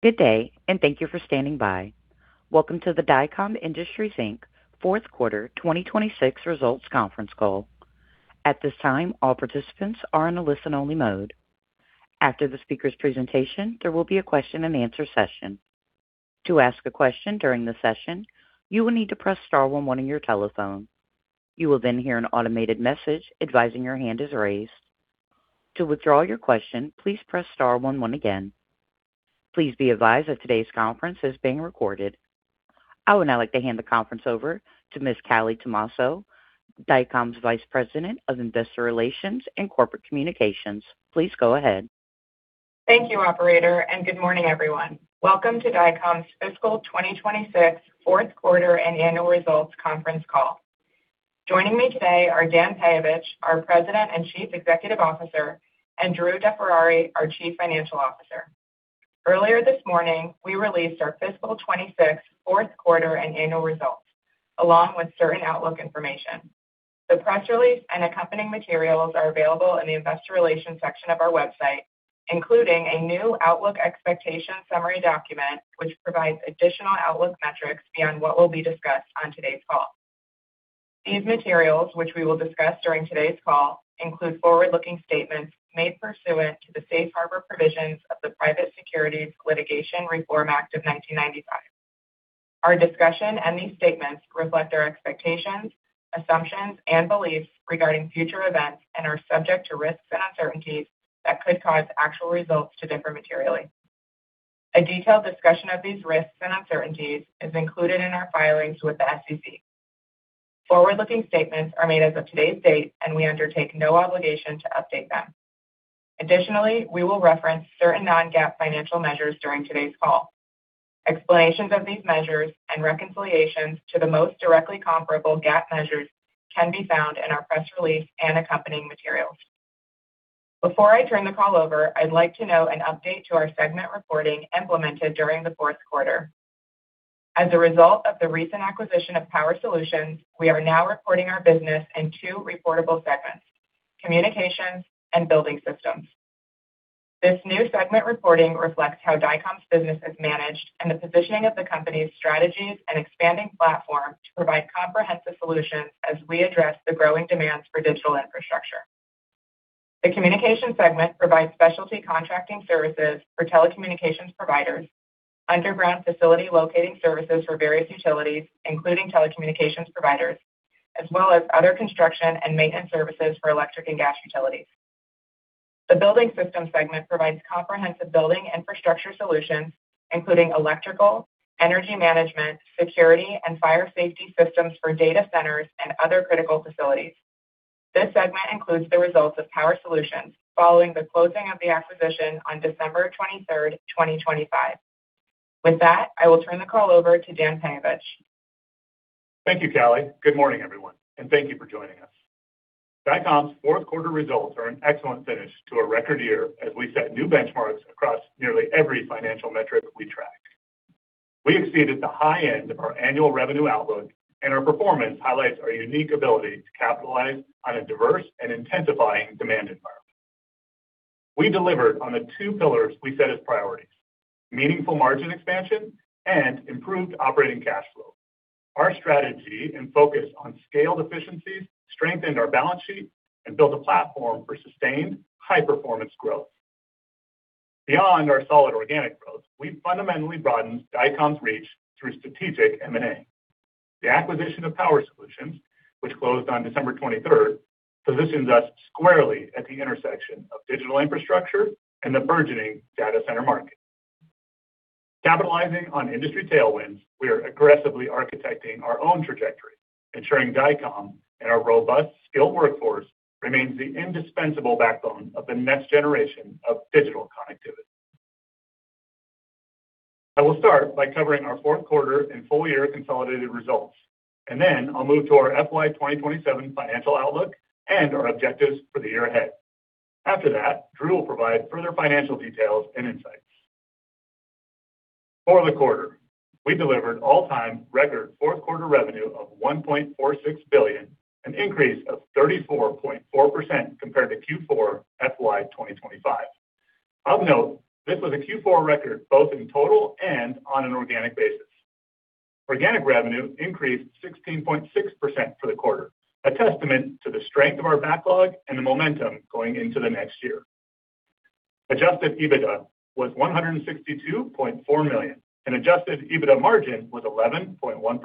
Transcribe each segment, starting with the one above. Good day, and thank you for standing by. Welcome to the Dycom Industries, Inc. fourth quarter 2026 results conference call. At this time, all participants are in a listen-only mode. After the speaker's presentation, there will be a question-and-answer session. To ask a question during the session, you will need to press star one one on your telephone. You will then hear an automated message advising your hand is raised. To withdraw your question, please press star one one again. Please be advised that today's conference is being recorded. I would now like to hand the conference over to Ms. Callie Tomasso, Dycom's Vice President of Investor Relations and Corporate Communications. Please go ahead. Thank you, operator. Good morning, everyone. Welcome to Dycom's fiscal 2026 fourth quarter and annual results conference call. Joining me today are Dan Peyovich, our President and Chief Executive Officer, and Andrew DeFerrari, our Chief Financial Officer. Earlier this morning, we released our fiscal 2026 fourth quarter and annual results, along with certain outlook information. The press release and accompanying materials are available in the investor relations section of our website, including a new outlook expectation summary document, which provides additional outlook metrics beyond what will be discussed on today's call. These materials, which we will discuss during today's call, include forward-looking statements made pursuant to the Safe Harbor provisions of the Private Securities Litigation Reform Act of 1995. Our discussion and these statements reflect our expectations, assumptions, and beliefs regarding future events and are subject to risks and uncertainties that could cause actual results to differ materially. A detailed discussion of these risks and uncertainties is included in our filings with the SEC. Forward-looking statements are made as of today's date, and we undertake no obligation to update them. Additionally, we will reference certain Non-GAAP financial measures during today's call. Explanations of these measures and reconciliations to the most directly comparable GAAP measures can be found in our press release and accompanying materials. Before I turn the call over, I'd like to note an update to our segment reporting implemented during the fourth quarter. As a result of the recent acquisition of Power Solutions, we are now reporting our business in two reportable segments: Communications and Building Systems. This new segment reporting reflects how Dycom's business is managed and the positioning of the company's strategies and expanding platform to provide comprehensive solutions as we address the growing demands for digital infrastructure. The Communications segment provides specialty contracting services for telecommunications providers, underground facility locating services for various utilities, including telecommunications providers, as well as other construction and maintenance services for electric and gas utilities. The Building Systems segment provides comprehensive building infrastructure solutions, including electrical, energy management, security, and fire safety systems for data centers and other critical facilities. This segment includes the results of Power Solutions following the closing of the acquisition on December 23rd, 2025. With that, I will turn the call over to Daniel Peyovich. Thank you, Callie. Good morning, everyone. Thank you for joining us. Dycom's fourth quarter results are an excellent finish to a record year as we set new benchmarks across nearly every financial metric we track. We exceeded the high end of our annual revenue outlook. Our performance highlights our unique ability to capitalize on a diverse and intensifying demand environment. We delivered on the two pillars we set as priorities: meaningful margin expansion and improved operating cash flow. Our strategy and focus on scaled efficiencies strengthened our balance sheet and built a platform for sustained high-performance growth. Beyond our solid organic growth, we fundamentally broadened Dycom's reach through strategic M&A. The acquisition of Power Solutions, which closed on December 23rd, positions us squarely at the intersection of digital infrastructure and the burgeoning data center market. Capitalizing on industry tailwinds, we are aggressively architecting our own trajectory, ensuring Dycom and our robust, skilled workforce remains the indispensable backbone of the next generation of digital connectivity. I will start by covering our fourth quarter and full year consolidated results, and then I'll move to our FY 2027 financial outlook and our objectives for the year ahead. After that, Andrew will provide further financial details and insights. For the quarter, we delivered all-time record fourth quarter revenue of $1.46 billion, an increase of 34.4% compared to Q4 FY 2025. Of note, this was a Q4 record both in total and on an organic basis. Organic revenue increased 16.6% for the quarter, a testament to the strength of our backlog and the momentum going into the next year. Adjusted EBITDA was $162.4 million, and adjusted EBITDA margin was 11.1%.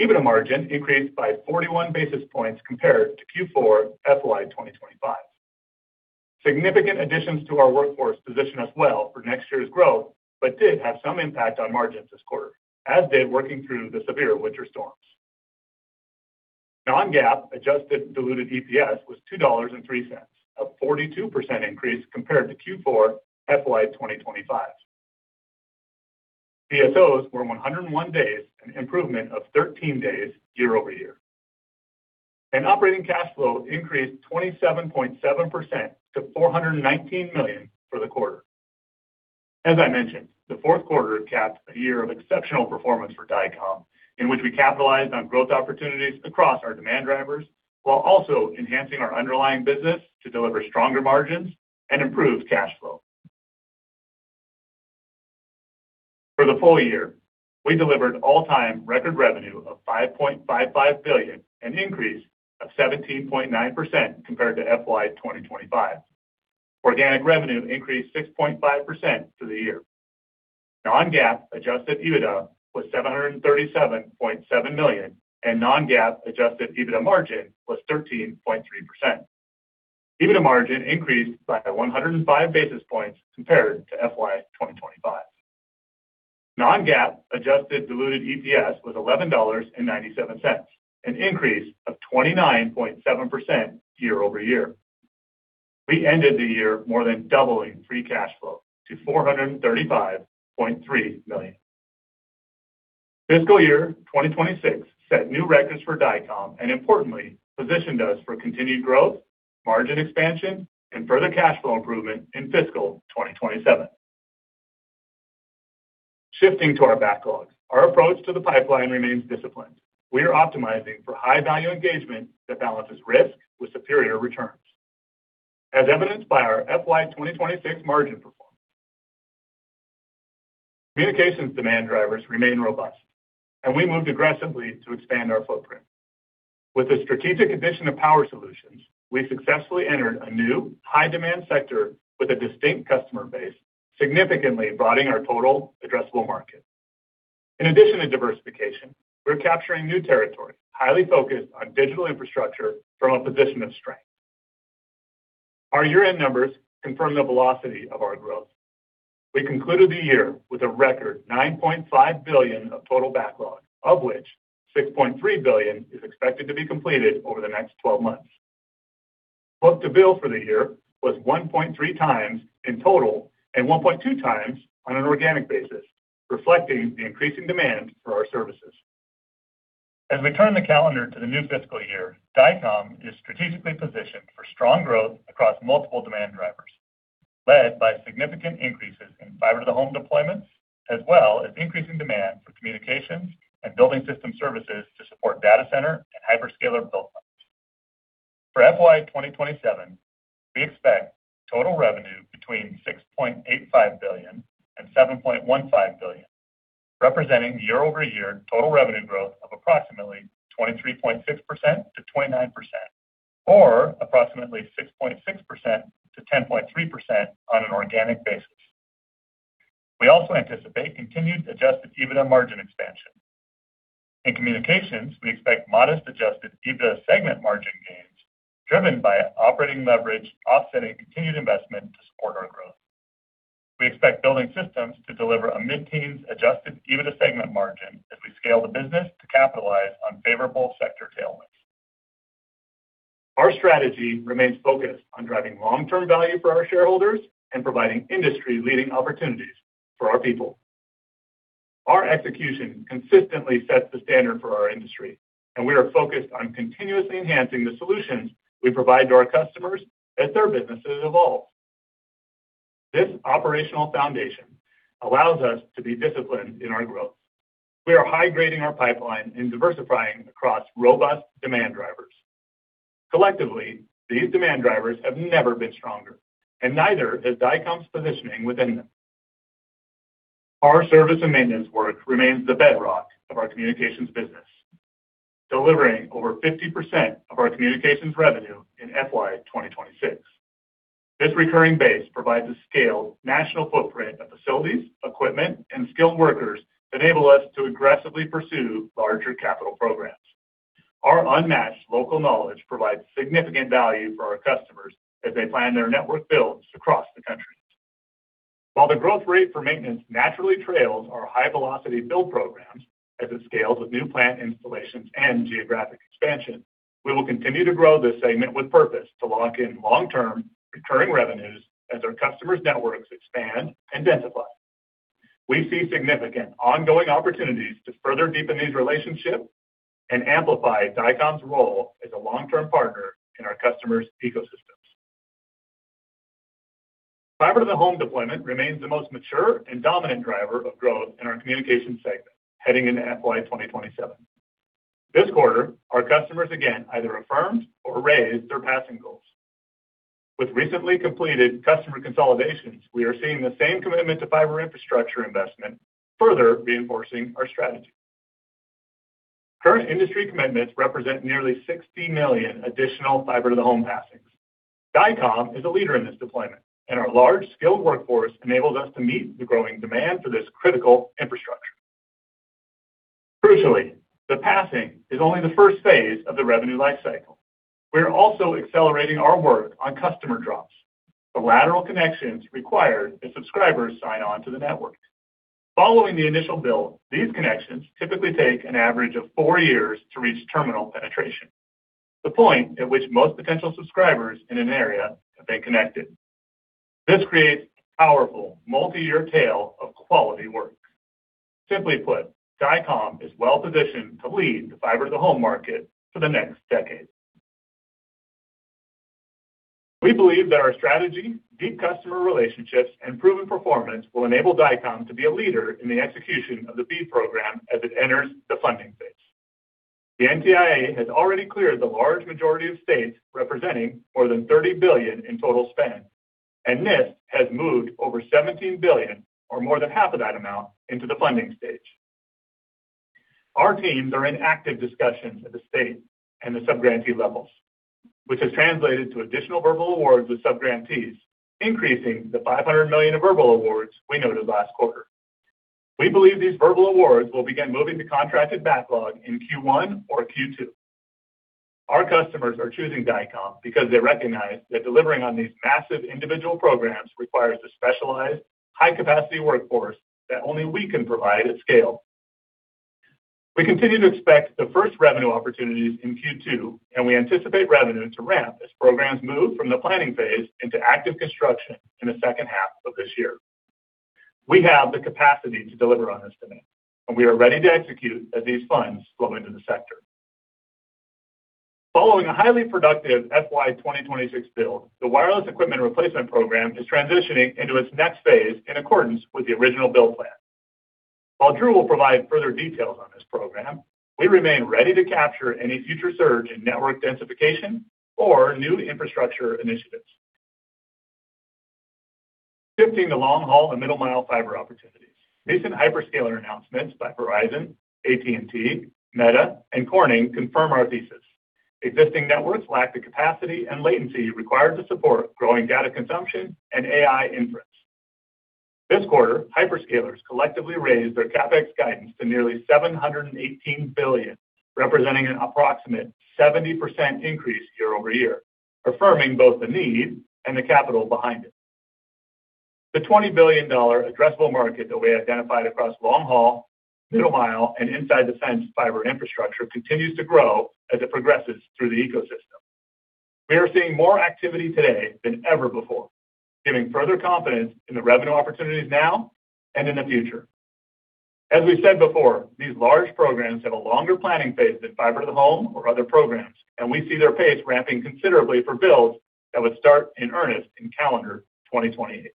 EBITDA margin increased by 41 basis points compared to Q4 FY 2025. Significant additions to our workforce position us well for next year's growth, but did have some impact on margins this quarter, as did working through the severe winter storms. Non-GAAP adjusted diluted EPS was $2.03, a 42% increase compared to Q4 FY 2025. DSOs were 101 days, an improvement of 13 days year-over-year. Operating cash flow increased 27.7% to $419 million for the quarter. As I mentioned, the fourth quarter capped a year of exceptional performance for Dycom, in which we capitalized on growth opportunities across our demand drivers while also enhancing our underlying business to deliver stronger margins and improve cash flow. For the full year, we delivered all-time record revenue of $5.55 billion, an increase of 17.9% compared to FY 2025. Organic revenue increased 6.5% for the year. Non-GAAP adjusted EBITDA was $737.7 million, and Non-GAAP adjusted EBITDA margin was 13.3%. EBITDA margin increased by 105 basis points compared to FY 2025. Non-GAAP adjusted diluted EPS was $11.97, an increase of 29.7% year-over-year. We ended the year more than doubling free cash flow to $435.3 million. Fiscal year 2026 set new records for Dycom and importantly, positioned us for continued growth, margin expansion, and further cash flow improvement in fiscal 2027. Shifting to our backlog. Our approach to the pipeline remains disciplined. We are optimizing for high-value engagement that balances risk with superior returns, as evidenced by our FY 2026 margin performance. Communications demand drivers remain robust, and we moved aggressively to expand our footprint. With the strategic addition of Power Solutions, we successfully entered a new high-demand sector with a distinct customer base, significantly broadening our total addressable market. In addition to diversification, we're capturing new territory, highly focused on digital infrastructure from a position of strength. Our year-end numbers confirm the velocity of our growth. We concluded the year with a record $9.5 billion of total backlog, of which $6.3 billion is expected to be completed over the next 12 months. book-to-bill for the year was 1.3x in total and 1.2x on an organic basis, reflecting the increasing demand for our services. As we turn the calendar to the new fiscal year, Dycom is strategically positioned for strong growth across multiple demand drivers, led by significant increases in fiber-to-the-home deployments, as well as increasing demand for Communications and Building Systems services to support data center and hyperscaler build funds. For FY 2027, we expect total revenue between $6.85 billion and $7.15 billion, representing year-over-year total revenue growth of approximately 23.6%-29%, or approximately 6.6%-10.3% on an organic basis. We also anticipate continued adjusted EBITDA margin expansion. In Communications, we expect modest adjusted EBITDA segment margin gains driven by operating leverage offsetting continued investment to support our growth. We expect Building Systems to deliver a mid-teens adjusted EBITDA segment margin as we scale the business to capitalize on favorable sector tailwinds. Our strategy remains focused on driving long-term value for our shareholders and providing industry-leading opportunities for our people. Our execution consistently sets the standard for our industry, and we are focused on continuously enhancing the solutions we provide to our customers as their businesses evolve. This operational foundation allows us to be disciplined in our growth. We are high-grading our pipeline and diversifying across robust demand drivers. Collectively, these demand drivers have never been stronger, and neither has Dycom's positioning within them. Our service and maintenance work remains the bedrock of our Communications business, delivering over 50% of our Communications revenue in FY 2026. This recurring base provides a scaled national footprint of facilities, equipment, and skilled workers that enable us to aggressively pursue larger capital programs. Our unmatched local knowledge provides significant value for our customers as they plan their network builds across the country. While the growth rate for maintenance naturally trails our high-velocity build programs as it scales with new plant installations and geographic expansion, we will continue to grow this segment with purpose to lock in long-term recurring revenues as our customers' networks expand and densify. We see significant ongoing opportunities to further deepen these relationships and amplify Dycom's role as a long-term partner in our customers' ecosystems. fiber-to-the-home deployment remains the most mature and dominant driver of growth in our Communications segment heading into FY 2027. This quarter, our customers again either affirmed or raised their passing goals. With recently completed customer consolidations, we are seeing the same commitment to fiber infrastructure investment, further reinforcing our strategy. Current industry commitments represent nearly 60 million additional fiber-to-the-home passings. Dycom is a leader in this deployment, and our large skilled workforce enables us to meet the growing demand for this critical infrastructure. Crucially, the passing is only the first phase of the revenue life cycle. We are also accelerating our work on customer drops, the lateral connections required if subscribers sign on to the network. Following the initial build, these connections typically take an average of four years to reach terminal penetration, the point at which most potential subscribers in an area have been connected. This creates a powerful multi-year tail of quality work. Simply put, Dycom is well-positioned to lead the fiber-to-the-home market for the next decade. We believe that our strategy, deep customer relationships, and proven performance will enable Dycom to be a leader in the execution of the BEAD program as it enters the funding phase. The NTIA has already cleared the large majority of states representing more than $30 billion in total spend, and NIST has moved over $17 billion or more than half of that amount into the funding stage. Our teams are in active discussions at the state and the sub-grantee levels, which has translated to additional verbal awards with sub-grantees, increasing the $500 million of verbal awards we noted last quarter. We believe these verbal awards will begin moving to contracted backlog in Q1 or Q2. Our customers are choosing Dycom because they recognize that delivering on these massive individual programs requires a specialized high-capacity workforce that only we can provide at scale. We continue to expect the first revenue opportunities in Q2, and we anticipate revenue to ramp as programs move from the planning phase into active construction in the second half of this year. We have the capacity to deliver on this demand, and we are ready to execute as these funds flow into the sector. Following a highly productive FY 2026 build, the wireless equipment replacement program is transitioning into its next phase in accordance with the original build plan. While Andrew will provide further details on this program, we remain ready to capture any future surge in network densification or new infrastructure initiatives. Shifting to long-haul and middle-mile fiber opportunities. Recent hyperscaler announcements by Verizon, AT&T, Meta, and Corning confirm our thesis. Existing networks lack the capacity and latency required to support growing data consumption and AI inference. This quarter, hyperscalers collectively raised their CapEx guidance to nearly $718 billion, representing an approximate 70% increase year-over-year, affirming both the need and the capital behind it. The $20 billion addressable market that we identified across long-haul, middle-mile, and inside the fence fiber infrastructure continues to grow as it progresses through the ecosystem. We are seeing more activity today than ever before, giving further confidence in the revenue opportunities now and in the future. As we said before, these large programs have a longer planning phase than fiber-to-the-home or other programs. We see their pace ramping considerably for builds that would start in earnest in calendar 2028.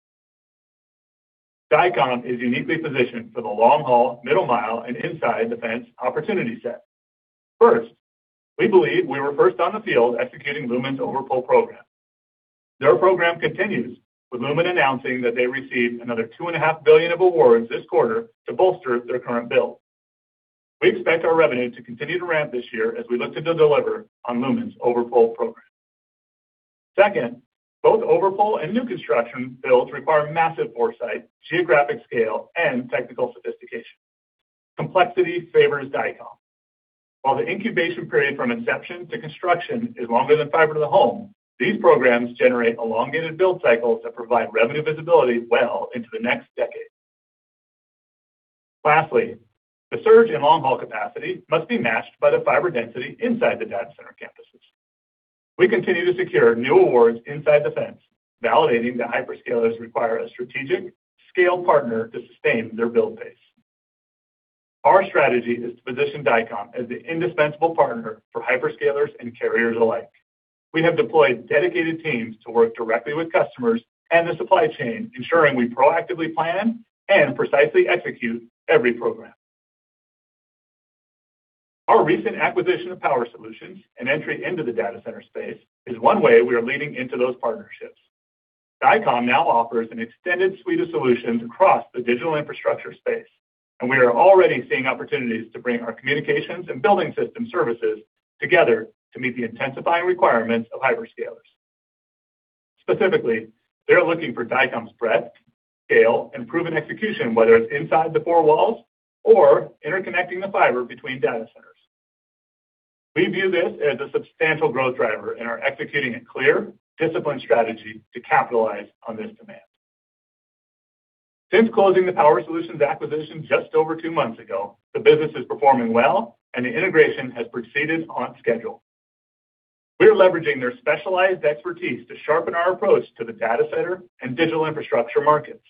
Dycom is uniquely positioned for the long-haul, middle-mile, and inside the fence opportunity set. First, we believe we were first on the field executing Lumen's over-pole program. Their program continues, with Lumen announcing that they received another $2.5 billion of awards this quarter to bolster their current build. We expect our revenue to continue to ramp this year as we look to deliver on Lumen's over-pole program. Second, both over-pole and new construction builds require massive foresight, geographic scale, and technical sophistication. Complexity favors Dycom. While the incubation period from inception to construction is longer than fiber-to-the-home, these programs generate elongated build cycles that provide revenue visibility well into the next decade. Lastly, the surge in long-haul capacity must be matched by the fiber density inside the data center campuses. We continue to secure new awards inside the fence, validating that hyperscalers require a strategic scale partner to sustain their build pace. Our strategy is to position Dycom as the indispensable partner for hyperscalers and carriers alike. We have deployed dedicated teams to work directly with customers and the supply chain, ensuring we proactively plan and precisely execute every program. Our recent acquisition of Power Solutions and entry into the data center space is one way we are leaning into those partnerships. Dycom now offers an extended suite of solutions across the digital infrastructure space, and we are already seeing opportunities to bring our Communications and Building Systems services together to meet the intensifying requirements of hyperscalers. Specifically, they're looking for Dycom's breadth, scale, and proven execution, whether it's inside the four walls or interconnecting the fiber between data centers. We view this as a substantial growth driver and are executing a clear, disciplined strategy to capitalize on this demand. Since closing the Power Solutions acquisition just over two months ago, the business is performing well, and the integration has proceeded on schedule. We are leveraging their specialized expertise to sharpen our approach to the data center and digital infrastructure markets.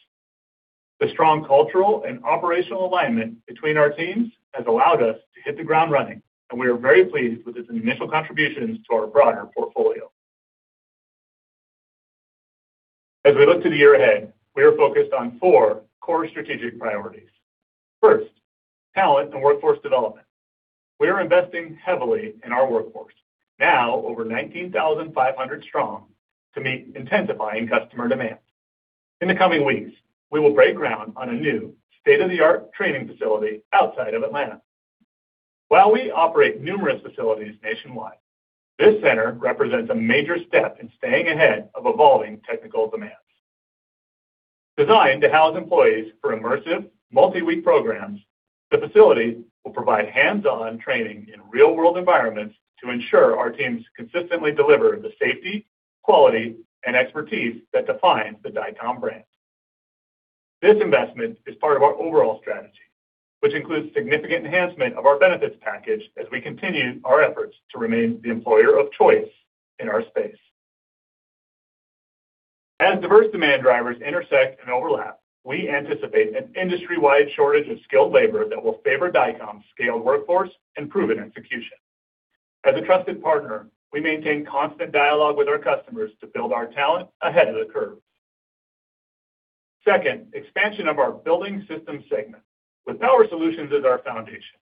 The strong cultural and operational alignment between our teams has allowed us to hit the ground running, and we are very pleased with its initial contributions to our broader portfolio. As we look to the year ahead, we are focused on four core strategic priorities. First, talent and workforce development. We are investing heavily in our workforce, now over 19,500 strong, to meet intensifying customer demand. In the coming weeks, we will break ground on a new state-of-the-art training facility outside of Atlanta. While we operate numerous facilities nationwide, this center represents a major step in staying ahead of evolving technical demands. Designed to house employees for immersive multi-week programs, the facility will provide hands-on training in real-world environments to ensure our teams consistently deliver the safety, quality, and expertise that define the Dycom brand. This investment is part of our overall strategy, which includes significant enhancement of our benefits package as we continue our efforts to remain the employer of choice in our space. As diverse demand drivers intersect and overlap, we anticipate an industry-wide shortage of skilled labor that will favor Dycom's scaled workforce and proven execution. As a trusted partner, we maintain constant dialogue with our customers to build our talent ahead of the curve. Second, expansion of our Building Systems segment. With Power Solutions as our foundation,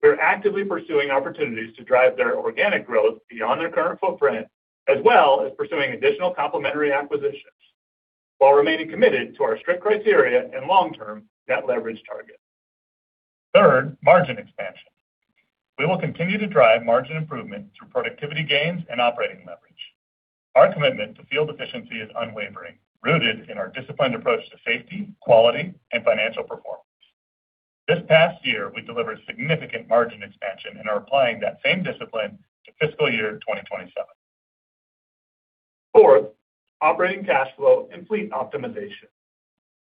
we are actively pursuing opportunities to drive their organic growth beyond their current footprint, as well as pursuing additional complementary acquisitions, while remaining committed to our strict criteria and long-term net leverage target. Third, margin expansion. We will continue to drive margin improvement through productivity gains and operating leverage. Our commitment to field efficiency is unwavering, rooted in our disciplined approach to safety, quality, and financial performance. This past year, we delivered significant margin expansion and are applying that same discipline to fiscal year 2027. Fourth, operating cash flow and fleet optimization.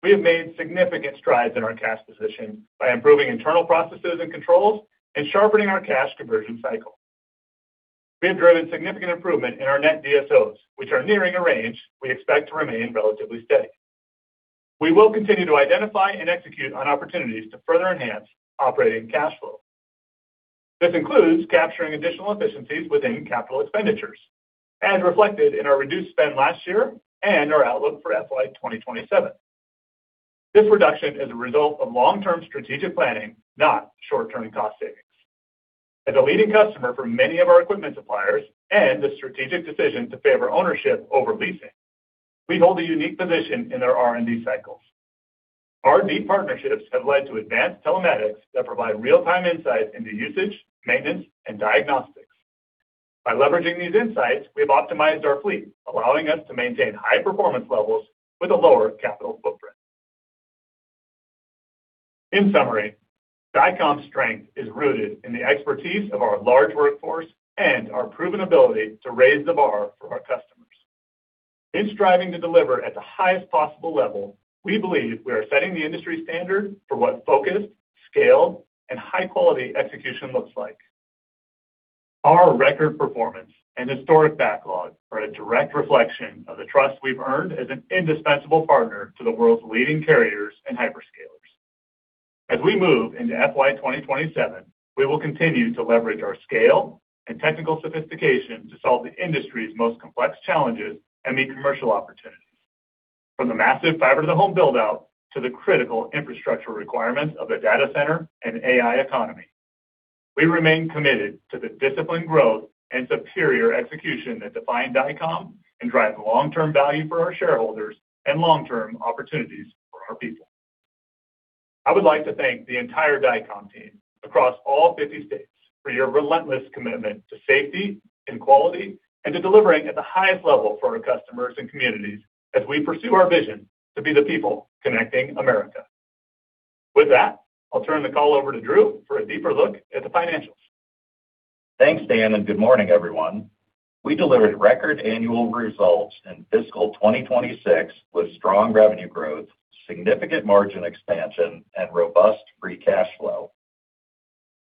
We have made significant strides in our cash position by improving internal processes and controls and sharpening our cash conversion cycle. We have driven significant improvement in our net DSOs, which are nearing a range we expect to remain relatively steady. We will continue to identify and execute on opportunities to further enhance operating cash flow. This includes capturing additional efficiencies within capital expenditures and reflected in our reduced spend last year and our outlook for FY 2027. This reduction is a result of long-term strategic planning, not short-term cost savings. As a leading customer for many of our equipment suppliers and the strategic decision to favor ownership over leasing, we hold a unique position in their R&D cycles. R&D partnerships have led to advanced telematics that provide real-time insight into usage, maintenance, and diagnostics. By leveraging these insights, we have optimized our fleet, allowing us to maintain high performance levels with a lower capital footprint. In summary, Dycom's strength is rooted in the expertise of our large workforce and our proven ability to raise the bar for our customers. In striving to deliver at the highest possible level, we believe we are setting the industry standard for what focused, scaled, and high-quality execution looks like. Our record performance and historic backlog are a direct reflection of the trust we've earned as an indispensable partner to the world's leading carriers and hyperscalers. As we move into FY 2027, we will continue to leverage our scale and technical sophistication to solve the industry's most complex challenges and meet commercial opportunities. From the massive fiber-to-the-home build-out to the critical infrastructure requirements of the data center and AI economy, we remain committed to the disciplined growth and superior execution that define Dycom and drive long-term value for our shareholders and long-term opportunities for our people. I would like to thank the entire Dycom team across all 50 states for your relentless commitment to safety and quality and to delivering at the highest level for our customers and communities as we pursue our vision to be the people connecting America. With that, I'll turn the call over to Andrew for a deeper look at the financials. Thanks, Dan. Good morning, everyone. We delivered record annual results in fiscal 2026 with strong revenue growth, significant margin expansion, and robust free cash flow.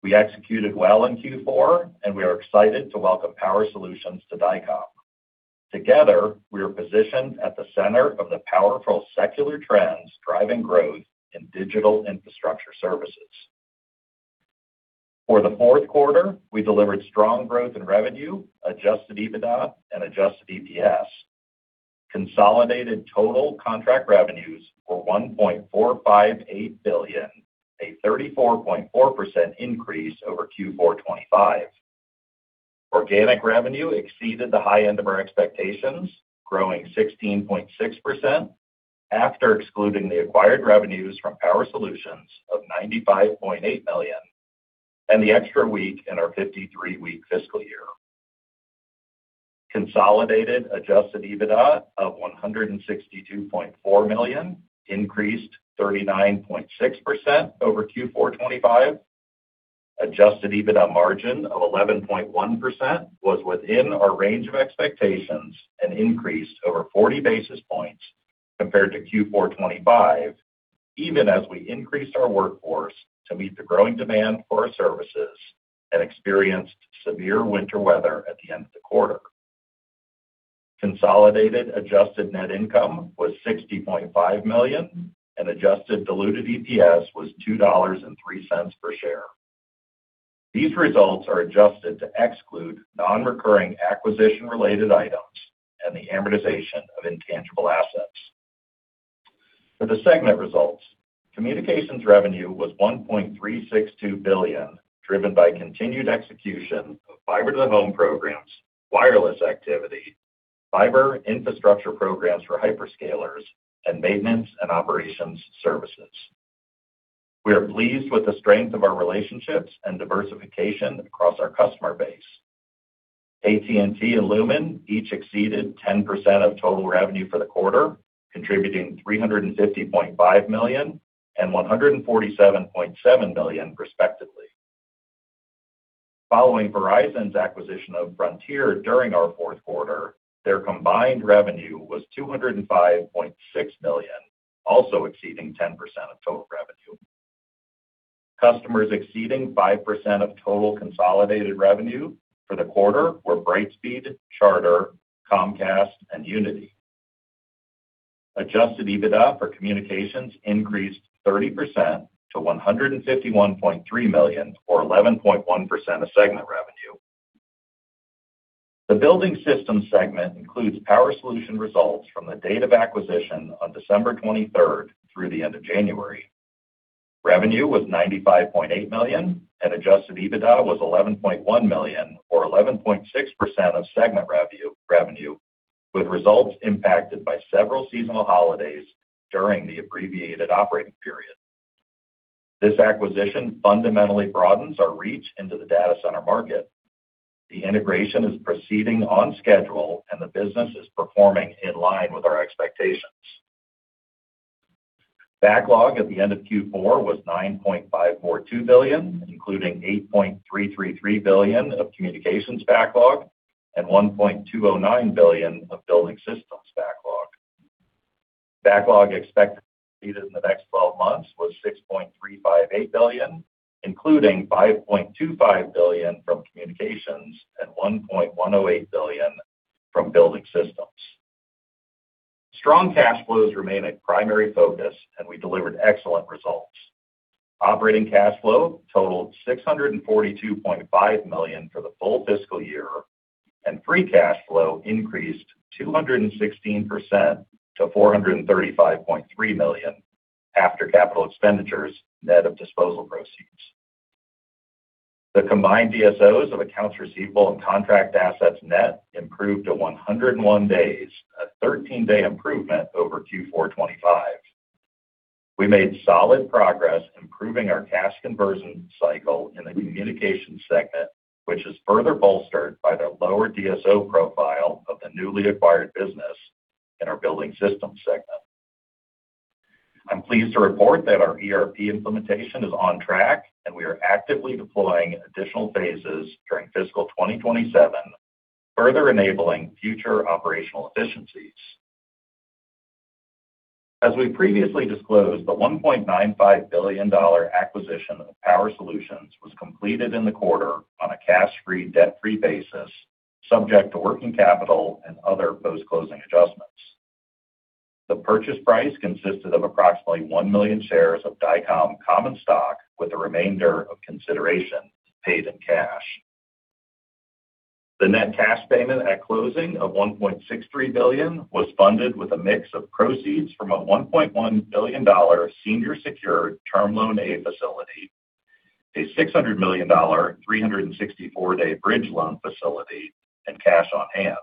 We executed well in Q4. We are excited to welcome Power Solutions to Dycom. Together, we are positioned at the center of the powerful secular trends driving growth in digital infrastructure services. For the fourth quarter, we delivered strong growth in revenue, adjusted EBITDA, and adjusted EPS. Consolidated total contract revenues were $1.458 billion, a 34.4% increase over Q4 2025. Organic revenue exceeded the high end of our expectations, growing 16.6% after excluding the acquired revenues from Power Solutions of $95.8 million and the extra week in our 53-week fiscal year. Consolidated adjusted EBITDA of $162.4 million increased 39.6% over Q4 2025. Adjusted EBITDA margin of 11.1% was within our range of expectations and increased over 40 basis points compared to Q4 2025, even as we increased our workforce to meet the growing demand for our services and experienced severe winter weather at the end of the quarter. Consolidated adjusted net income was $60.5 million, and adjusted diluted EPS was $2.03 per share. These results are adjusted to exclude non-recurring acquisition-related items and the amortization of intangible assets. For the segment results, Communications revenue was $1.362 billion, driven by continued execution of fiber-to-the-home programs, wireless activity, fiber infrastructure programs for hyperscalers, and maintenance and operations services. We are pleased with the strength of our relationships and diversification across our customer base. AT&T and Lumen each exceeded 10% of total revenue for the quarter, contributing $350.5 million and $147.7 million respectively. Following Verizon's acquisition of Frontier during our fourth quarter, their combined revenue was $205.6 million, also exceeding 10% of total revenue. Customers exceeding 5% of total consolidated revenue for the quarter were Brightspeed, Charter, Comcast, and Uniti. Adjusted EBITDA for Communications increased 30% to $151.3 million, or 11.1% of segment revenue. The Building Systems segment includes Power Solutions results from the date of acquisition on December 23rd through the end of January. Revenue was $95.8 million and adjusted EBITDA was $11.1 million or 11.6% of segment revenue, with results impacted by several seasonal holidays during the abbreviated operating period. This acquisition fundamentally broadens our reach into the data center market. The integration is proceeding on schedule and the business is performing in line with our expectations. Backlog at the end of Q4 was $9.542 billion, including $8.333 billion of Communications backlog and $1.209 billion of Building Systems backlog. Backlog expected to be completed in the next 12 months was $6.358 billion, including $5.25 billion from Communications and $1.108 billion from Building Systems. Strong cash flows remain a primary focus and we delivered excellent results. Operating cash flow totaled $642.5 million for the full fiscal year, free cash flow increased 216% to $435.3 million after capital expenditures, net of disposal proceeds. The combined DSOs of accounts receivable and contract assets net improved to 101 days, a 13-day improvement over Q4 2025. We made solid progress improving our cash conversion cycle in the Communications segment, which is further bolstered by the lower DSO profile of the newly acquired business in our Building Systems segment. I'm pleased to report that our ERP implementation is on track, we are actively deploying additional phases during fiscal 2027, further enabling future operational efficiencies. As we previously disclosed, the $1.95 billion acquisition of Power Solutions was completed in the quarter on a cash-free, debt-free basis, subject to working capital and other post-closing adjustments. The purchase price consisted of approximately 1 million shares of Dycom common stock, with the remainder of consideration paid in cash. The net cash payment at closing of $1.63 billion was funded with a mix of proceeds from a $1.1 billion senior secured Term Loan A facility, a $600 million 364-day bridge loan facility, and cash on hand.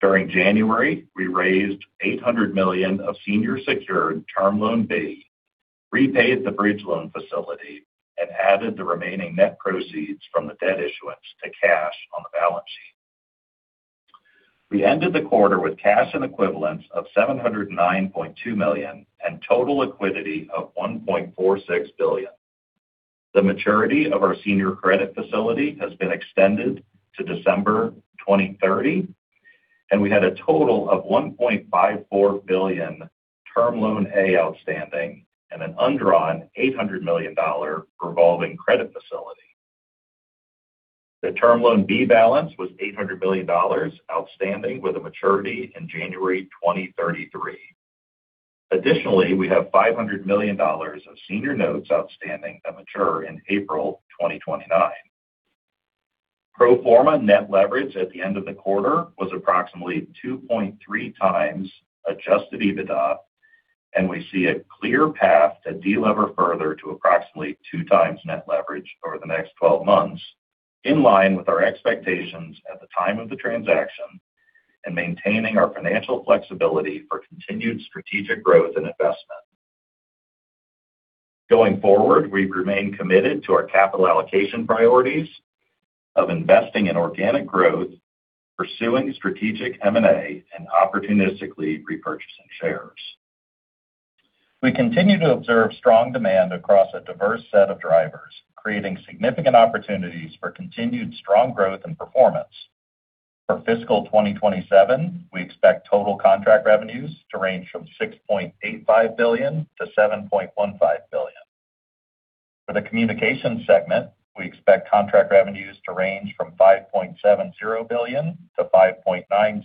During January, we raised $800 million of senior secured Term Loan B, repaid the bridge loan facility, and added the remaining net proceeds from the debt issuance to cash on the balance sheet. We ended the quarter with cash and equivalents of $709.2 million and total liquidity of $1.46 billion. The maturity of our senior credit facility has been extended to December 2030. We had a total of $1.54 billion Term Loan A outstanding and an undrawn $800 million revolving credit facility. The Term Loan B balance was $800 million outstanding with a maturity in January 2033. We have $500 million of senior notes outstanding that mature in April 2029. Pro forma net leverage at the end of the quarter was approximately 2.3x adjusted EBITDA, and we see a clear path to delever further to approximately 2x net leverage over the next 12 months, in line with our expectations at the time of the transaction and maintaining our financial flexibility for continued strategic growth and investment. Going forward, we remain committed to our capital allocation priorities of investing in organic growth, pursuing strategic M&A, and opportunistically repurchasing shares. We continue to observe strong demand across a diverse set of drivers, creating significant opportunities for continued strong growth and performance. For fiscal 2027, we expect total contract revenues to range from $6.85 billion-$7.15 billion. For the Communications segment, we expect contract revenues to range from $5.70 billion-$5.90 billion,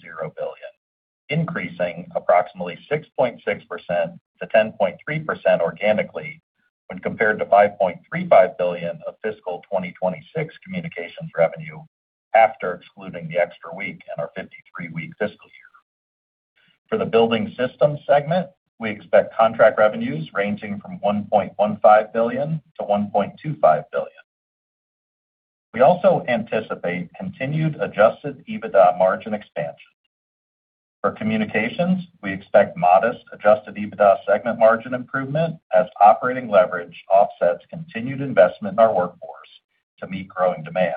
increasing approximately 6.6%-10.3% organically when compared to $5.35 billion of fiscal 2026 Communications revenue after excluding the extra week in our 53-week fiscal year. For the Building Systems segment, we expect contract revenues ranging from $1.15 billion-$1.25 billion. We also anticipate continued adjusted EBITDA margin expansion. For Communications, we expect modest adjusted EBITDA segment margin improvement as operating leverage offsets continued investment in our workforce to meet growing demand.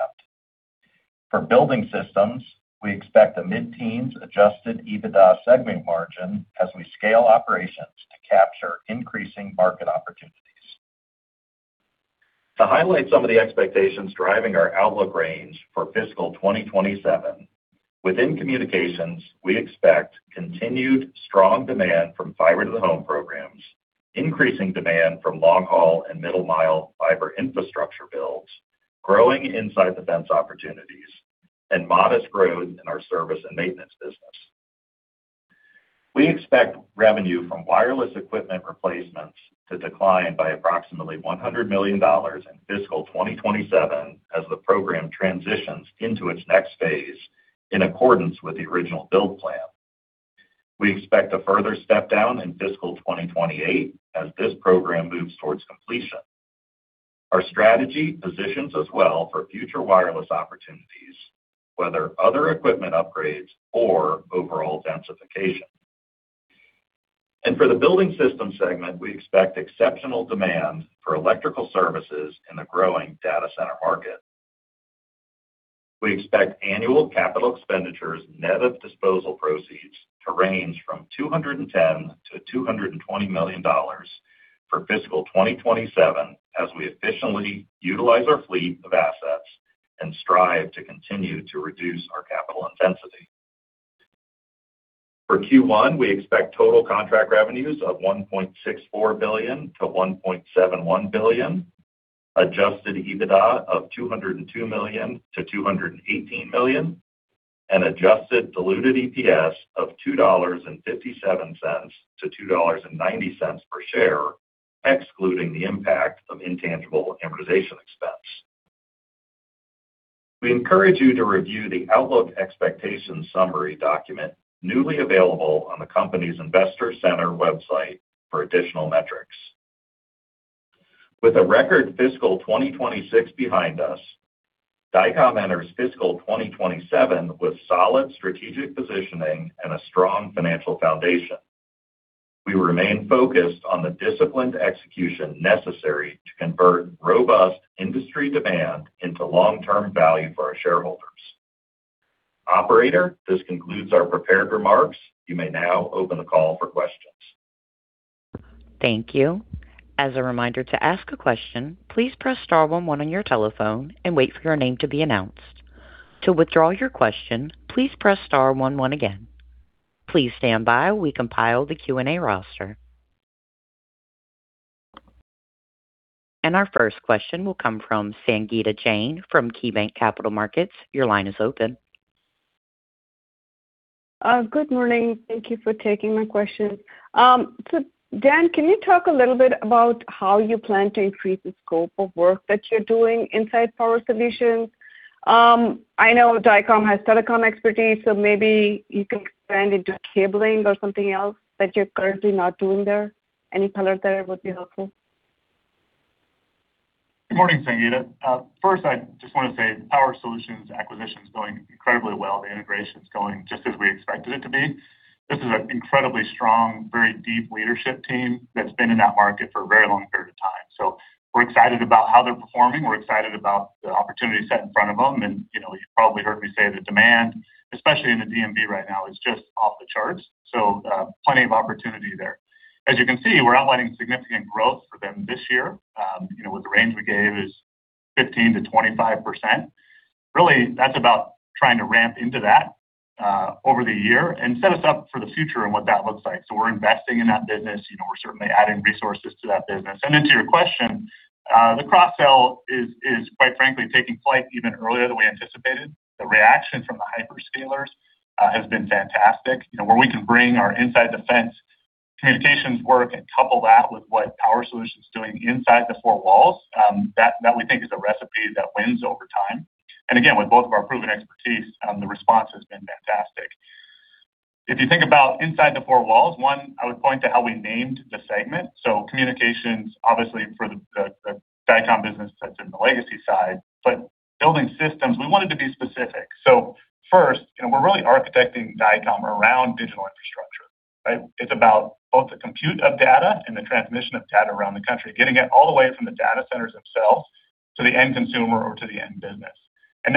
For Building Systems, we expect a mid-teens adjusted EBITDA segment margin as we scale operations to capture increasing market opportunities. To highlight some of the expectations driving our outlook range for fiscal 2027, within Communications, we expect continued strong demand from fiber-to-the-home programs, increasing demand from long-haul and middle-mile fiber infrastructure builds, growing inside the fence opportunities, and modest growth in our service and maintenance business. We expect revenue from wireless equipment replacements to decline by approximately $100 million in fiscal 2027 as the program transitions into its next phase in accordance with the original build plan. We expect a further step-down in fiscal 2028 as this program moves towards completion. Our strategy positions us well for future wireless opportunities, whether other equipment upgrades or overall densification. For the Building Systems segment, we expect exceptional demand for electrical services in the growing data center market. We expect annual capital expenditures net of disposal proceeds to range from $210 million-$220 million for fiscal 2027 as we efficiently utilize our fleet of assets and strive to continue to reduce our capital intensity. For Q1, we expect total contract revenues of $1.64 billion-$1.71 billion, adjusted EBITDA of $202 million-$218 million, and adjusted diluted EPS of $2.57-$2.90 per share, excluding the impact of intangible amortization expense. We encourage you to review the Outlook Expectations summary document newly available on the company's Investor Center website for additional metrics. With a record fiscal 2026 behind us, Dycom enters fiscal 2027 with solid strategic positioning and a strong financial foundation. We remain focused on the disciplined execution necessary to convert robust industry demand into long-term value for our shareholders. Operator, this concludes our prepared remarks. You may now open the call for questions. Thank you. As a reminder to ask a question, please press star one one on your telephone and wait for your name to be announced. To withdraw your question, please press star one one again. Please stand by while we compile the Q&A roster. Our first question will come from Sangita Jain from KeyBanc Capital Markets. Your line is open. Good morning. Thank you for taking my question. Dan, can you talk a little bit about how you plan to increase the scope of work that you're doing inside Power Solutions? I know Dycom has telecom expertise, so maybe you can expand into cabling or something else that you're currently not doing there. Any color there would be helpful. Good morning, Sangita. First, I just wanna say Power Solutions acquisition is going incredibly well. The integration is going just as we expected it to be. This is an incredibly strong, very deep leadership team that's been in that market for a very long period of time. We're excited about how they're performing. We're excited about the opportunity set in front of them. You know, you probably heard me say the demand, especially in the DMV right now, is just off the charts. Plenty of opportunity there. As you can see, we're outlining significant growth for them this year. You know, with the range we gave is 15%-25%. Really, that's about trying to ramp into that over the year and set us up for the future and what that looks like. We're investing in that business. You know, we're certainly adding resources to that business. Then to your question, the cross-sell is quite frankly, taking flight even earlier than we anticipated. The reaction from the hyperscalers has been fantastic. You know, where we can bring our inside the fence Communications work and couple that with what Power Solutions is doing inside the four walls, that we think is a recipe that wins over time. Again, with both of our proven expertise, the response has been fantastic. If you think about inside the four walls, one, I would point to how we named the segment. Communications, obviously for the Dycom business that's in the legacy side, but Building Systems, we wanted to be specific. First, you know, we're really architecting Dycom around digital infrastructure, right? It's about both the compute of data and the transmission of data around the country, getting it all the way from the data centers themselves to the end consumer or to the end business.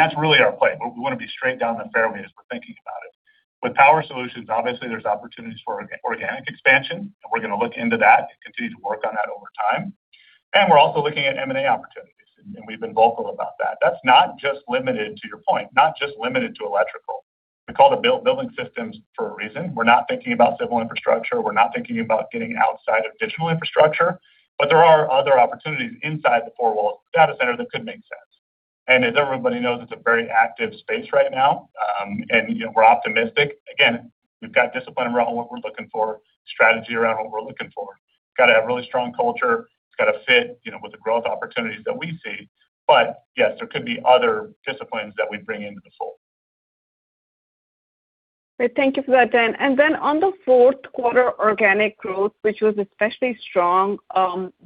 That's really our play. We wanna be straight down the fairway as we're thinking about it. With Power Solutions, obviously, there's opportunities for organic expansion, and we're gonna look into that and continue to work on that over time. We're also looking at M&A opportunities, and we've been vocal about that. That's not just limited to your point, not just limited to electrical. We call the build Building Systems for a reason. We're not thinking about civil infrastructure. We're not thinking about getting outside of digital infrastructure. There are other opportunities inside the four walls of the data center that could make sense. As everybody knows, it's a very active space right now. You know, we're optimistic. Again, we've got discipline around what we're looking for, strategy around what we're looking for. It's gotta have really strong culture. It's gotta fit, you know, with the growth opportunities that we see. Yes, there could be other disciplines that we bring into the fold. Great. Thank you for that, Dan. On the fourth quarter organic growth, which was especially strong,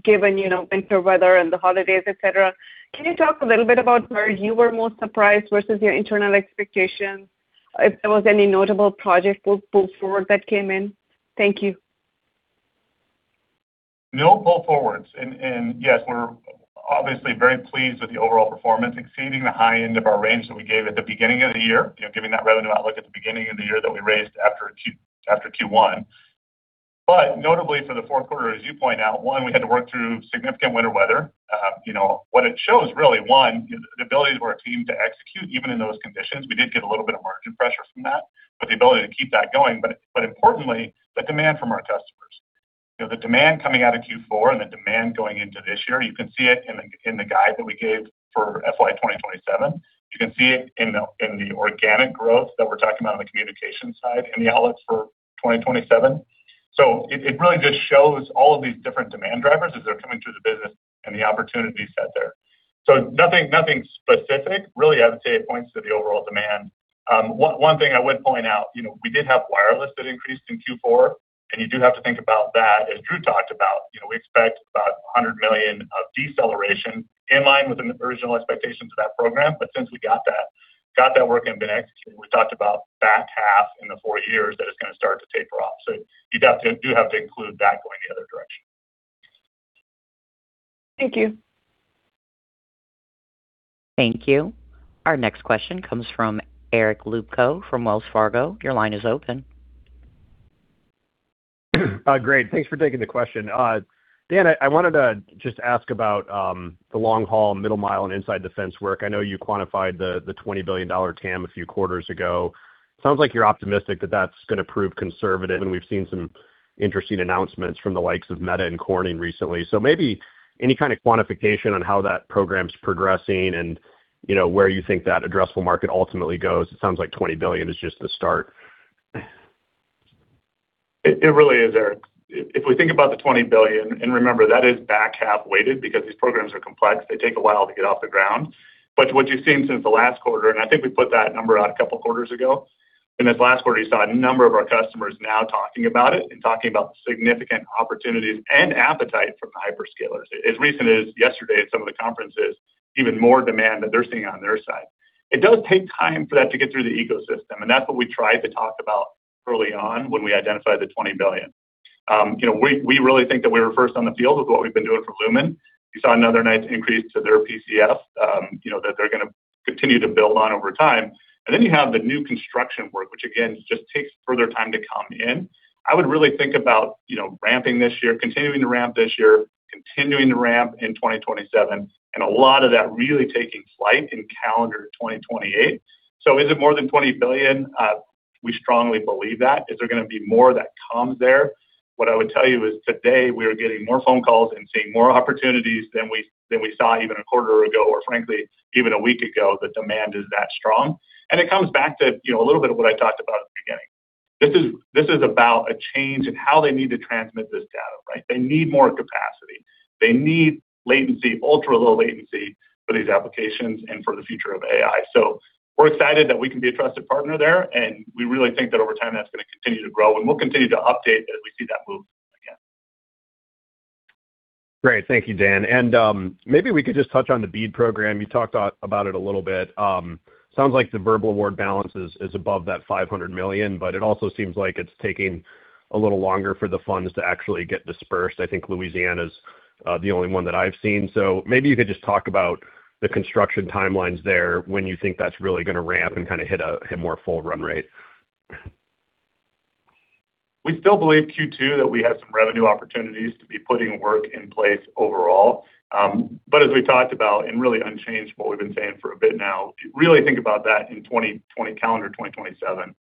given, you know, winter weather and the holidays, et cetera. Can you talk a little bit about where you were most surprised versus your internal expectations? If there was any notable project with pull forward that came in? Thank you. No pull forwards. Yes, we're obviously very pleased with the overall performance exceeding the high end of our range that we gave at the beginning of the year. You know, giving that revenue outlook at the beginning of the year that we raised after Q1. Notably for the fourth quarter, as you point out, one, we had to work through significant winter weather. You know, what it shows really, one, the ability for our team to execute even in those conditions. We did get a little bit of margin pressure from that, but the ability to keep that going. Importantly, the demand from our customers. You know, the demand coming out of Q4 and the demand going into this year, you can see it in the, in the guide that we gave for FY 2027. You can see it in the organic growth that we're talking about on the Communications side in the outlook for 2027. It, it really just shows all of these different demand drivers as they're coming through the business and the opportunity set there. Nothing, nothing specific. Really, I would say it points to the overall demand. One thing I would point out, you know, we did have wireless that increased in Q4, and you do have to think about that. As Andrew talked about, you know, we expect about $100 million of deceleration in line with the original expectations of that program. Since we got that work and been executing, we talked about back half in the four years that it's going to start to taper off. You do have to include that going the other direction. Thank you. Thank you. Our next question comes from Eric Luebchow from Wells Fargo. Your line is open. Great. Thanks for taking the question. Dan, I wanted to just ask about the long-haul middle-mile and inside the fence work. I know you quantified the $20 billion TAM a few quarters ago. Sounds like you're optimistic that that's going to prove conservative, and we've seen some interesting announcements from the likes of Meta and Corning recently. Maybe any kind of quantification on how that program's progressing and, you know, where you think that addressable market ultimately goes. It sounds like $20 billion is just the start. It really is, Eric. If we think about the $20 billion, and remember that is back half weighted because these programs are complex, they take a while to get off the ground. What you've seen since the last quarter, and I think we put that number out a couple of quarters ago. In this last quarter, you saw a number of our customers now talking about it and talking about significant opportunities and appetite from the hyperscalers. As recent as yesterday at some of the conferences, even more demand that they're seeing on their side. It does take time for that to get through the ecosystem, and that's what we tried to talk about early on when we identified the $20 billion. you know, we really think that we were first on the field with what we've been doing for Lumen. You saw another nice increase to their PCF, you know, that they're gonna continue to build on over time. You have the new construction work, which again, just takes further time to come in. I would really think about, you know, ramping this year, continuing to ramp this year, continuing to ramp in 2027, and a lot of that really taking flight in calendar 2028. Is it more than $20 billion? We strongly believe that. Is there going to be more that comes there? What I would tell you is today we are getting more phone calls and seeing more opportunities than we, than we saw even a quarter ago or frankly, even a week ago. The demand is that strong. It comes back to, you know, a little bit of what I talked about at the beginning. This is about a change in how they need to transmit this data, right? They need more capacity. They need latency, ultra-low latency for these applications and for the future of AI. We're excited that we can be a trusted partner there, and we really think that over time, that's going to continue to grow, and we'll continue to update as we see that move again. Great. Thank you, Dan. Maybe we could just touch on the BEAD program. You talked about it a little bit. Sounds like the verbal award balance is above that $500 million, but it also seems like it's taking a little longer for the funds to actually get dispersed. I think Louisiana's the only one that I've seen. Maybe you could just talk about the construction timelines there when you think that's really going to ramp and kind of hit a more full run rate. We still believe Q2 that we have some revenue opportunities to be putting work in place overall. As we talked about and really unchanged what we've been saying for a bit now, really think about that in calendar 2027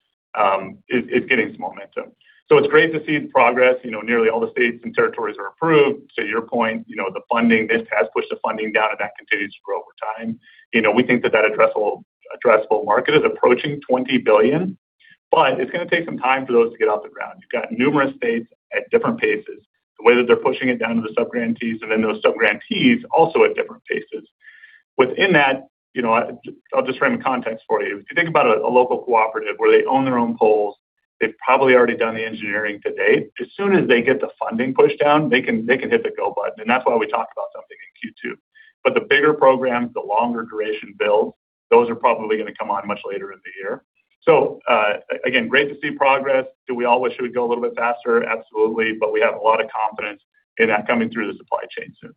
is getting some momentum. It's great to see the progress. You know, nearly all the states and territories are approved. To your point, you know, this has pushed the funding down, and that continues to grow over time. You know, we think that that addressable market is approaching $20 billion, but it's going to take some time for those to get off the ground. You've got numerous states at different paces, the way that they're pushing it down to the sub-grantees and then those sub-grantees also at different paces. Within that, you know, I'll just frame the context for you. If you think about a local cooperative where they own their own poles, they've probably already done the engineering to date. As soon as they get the funding pushed down, they can hit the go button, and that's why we talked about something in Q2. The bigger programs, the longer duration build, those are probably going to come on much later in the year. Again, great to see progress. Do we all wish it would go a little bit faster? Absolutely. We have a lot of confidence in that coming through the supply chain soon.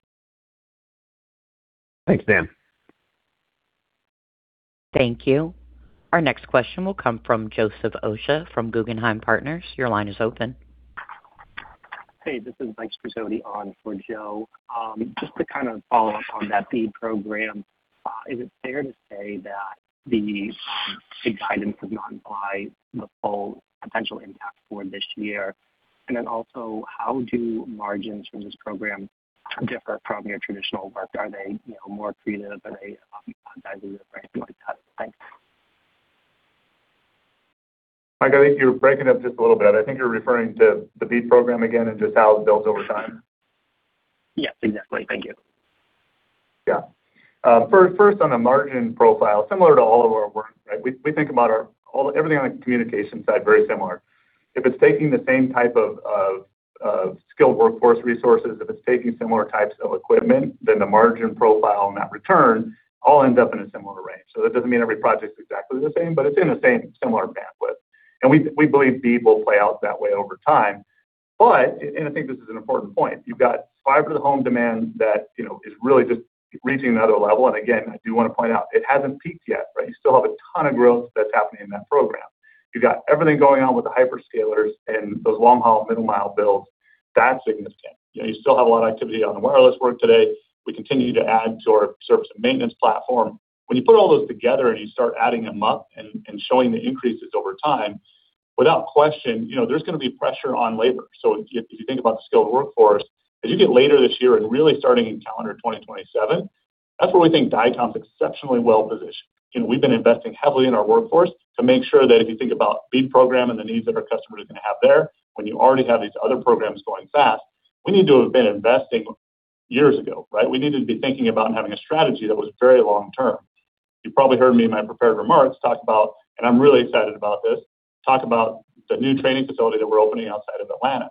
Thanks, Dan. Thank you. Our next question will come from Joseph Osha from Guggenheim Partners. Your line is open. Hey, this is Michael Stratoti on for Joe. Just to kind of follow up on that BEAD program, is it fair to say that the guidance does not imply the full potential impact for this year? Also, how do margins from this program differ from your traditional work? Are they, you know, more creative? Are they? Mike, I think you're breaking up just a little bit. I think you're referring to the BEAD program again and just how it's built over time. Yes, exactly. Thank you. Yeah. First on a margin profile, similar to all of our work, right? We think about everything on the communication side, very similar. If it's taking the same type of skilled workforce resources, if it's taking similar types of equipment, then the margin profile and that return all ends up in a similar range. That doesn't mean every project is exactly the same, but it's in the same similar bandwidth. We believe BEAD will play out that way over time. I think this is an important point, you've got fiber to home demand that, you know, is really just reaching another level. Again, I do want to point out it hasn't peaked yet, right? You still have a ton of growth that's happening in that program. You've got everything going on with the hyperscalers and those long-haul middle-mile builds. That's significant. You know, you still have a lot of activity on the wireless work today. We continue to add to our service and maintenance platform. When you put all those together and you start adding them up and showing the increases over time-Without question, you know, there's gonna be pressure on labor. If you think about the skilled workforce, as you get later this year and really starting in calendar 2027, that's where we think Dycom's exceptionally well-positioned. You know, we've been investing heavily in our workforce to make sure that if you think about BEAD program and the needs that our customers are gonna have there, when you already have these other programs going fast, we need to have been investing years ago, right? We needed to be thinking about and having a strategy that was very long-term. You probably heard me in my prepared remarks talk about, and I'm really excited about this, talk about the new training facility that we're opening outside of Atlanta.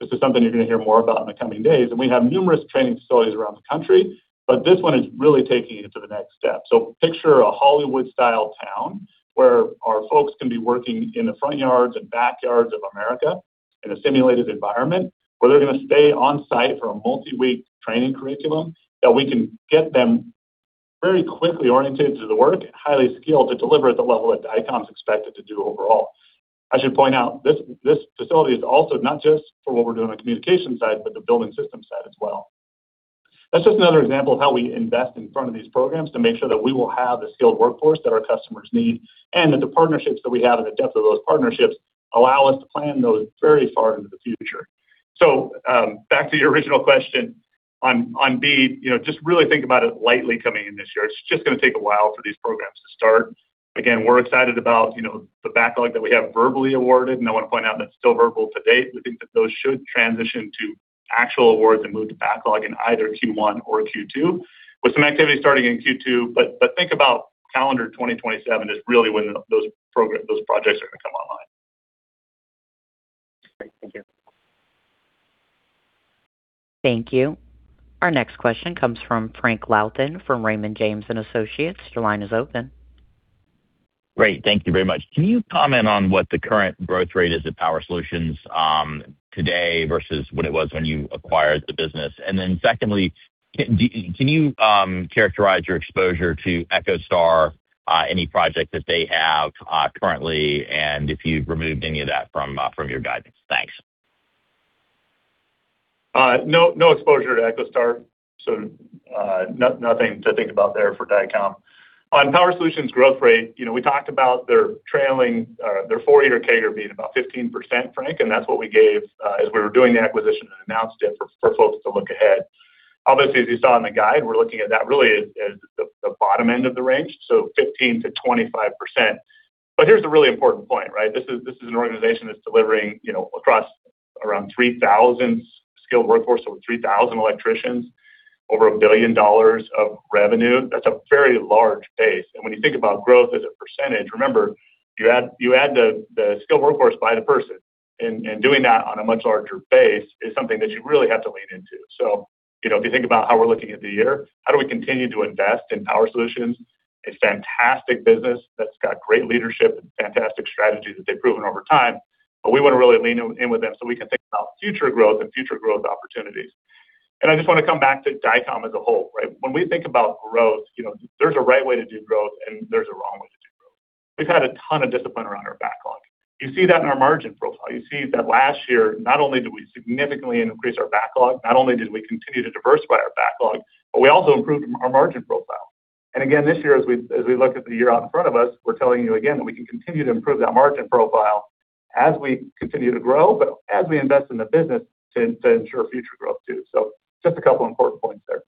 This is something you're gonna hear more about in the coming days, and we have numerous training facilities around the country, but this one is really taking it to the next step. Picture a Hollywood-style town where our folks can be working in the front yards and backyards of America in a simulated environment where they're gonna stay on site for a multi-week training curriculum, that we can get them very quickly oriented to the work, highly skilled to deliver at the level that Dycom's expected to do overall. I should point out, this facility is also not just for what we're doing on the communication side, but the building system side as well. That's just another example of how we invest in front of these programs to make sure that we will have the skilled workforce that our customers need, and that the partnerships that we have and the depth of those partnerships allow us to plan those very far into the future. Back to your original question on BEAD. You know, just really think about it lightly coming in this year. It's just gonna take a while for these programs to start. Again, we're excited about, you know, the backlog that we have verbally awarded, and I want to point out that's still verbal to date. We think that those should transition to actual awards and move to backlog in either Q1 or Q2, with some activity starting in Q2. Think about calendar 2027 is really when those projects are gonna come online. Great. Thank you. Thank you. Our next question comes from Frank Louthan from Raymond James & Associates. Your line is open. Great. Thank you very much. Can you comment on what the current growth rate is at Power Solutions today versus what it was when you acquired the business? Secondly, can you characterize your exposure to EchoStar, any project that they have currently, and if you've removed any of that from your guidance? Thanks. No, nothing to think about there for Dycom. On Power Solutions growth rate, you know, we talked about their four-year CAGR being about 15%, Frank, and that's what we gave as we were doing the acquisition and announced it for folks to look ahead. Obviously, as you saw in the guide, we're looking at that really as the bottom end of the range, so 15%-25%. Here's the really important point, right? This is an organization that's delivering, you know, across around 3,000 skilled workforce, over 3,000 electricians, over $1 billion of revenue. That's a very large base. When you think about growth as a percentage, remember, you add the skilled workforce by the person. Doing that on a much larger base is something that you really have to lean into. You know, if you think about how we're looking at the year, how do we continue to invest in Power Solutions, a fantastic business that's got great leadership and fantastic strategy that they've proven over time, but we wanna really lean in with them so we can think about future growth and future growth opportunities. I just wanna come back to Dycom as a whole, right? When we think about growth, you know, there's a right way to do growth, and there's a wrong way to do growth. We've had a ton of discipline around our backlog. You see that in our margin profile. You see that last year, not only did we significantly increase our backlog, not only did we continue to diversify our backlog, but we also improved our margin profile. Again, this year, as we look at the year out in front of us, we're telling you again that we can continue to improve that margin profile as we continue to grow, but as we invest in the business to ensure future growth too. Just a couple important points there.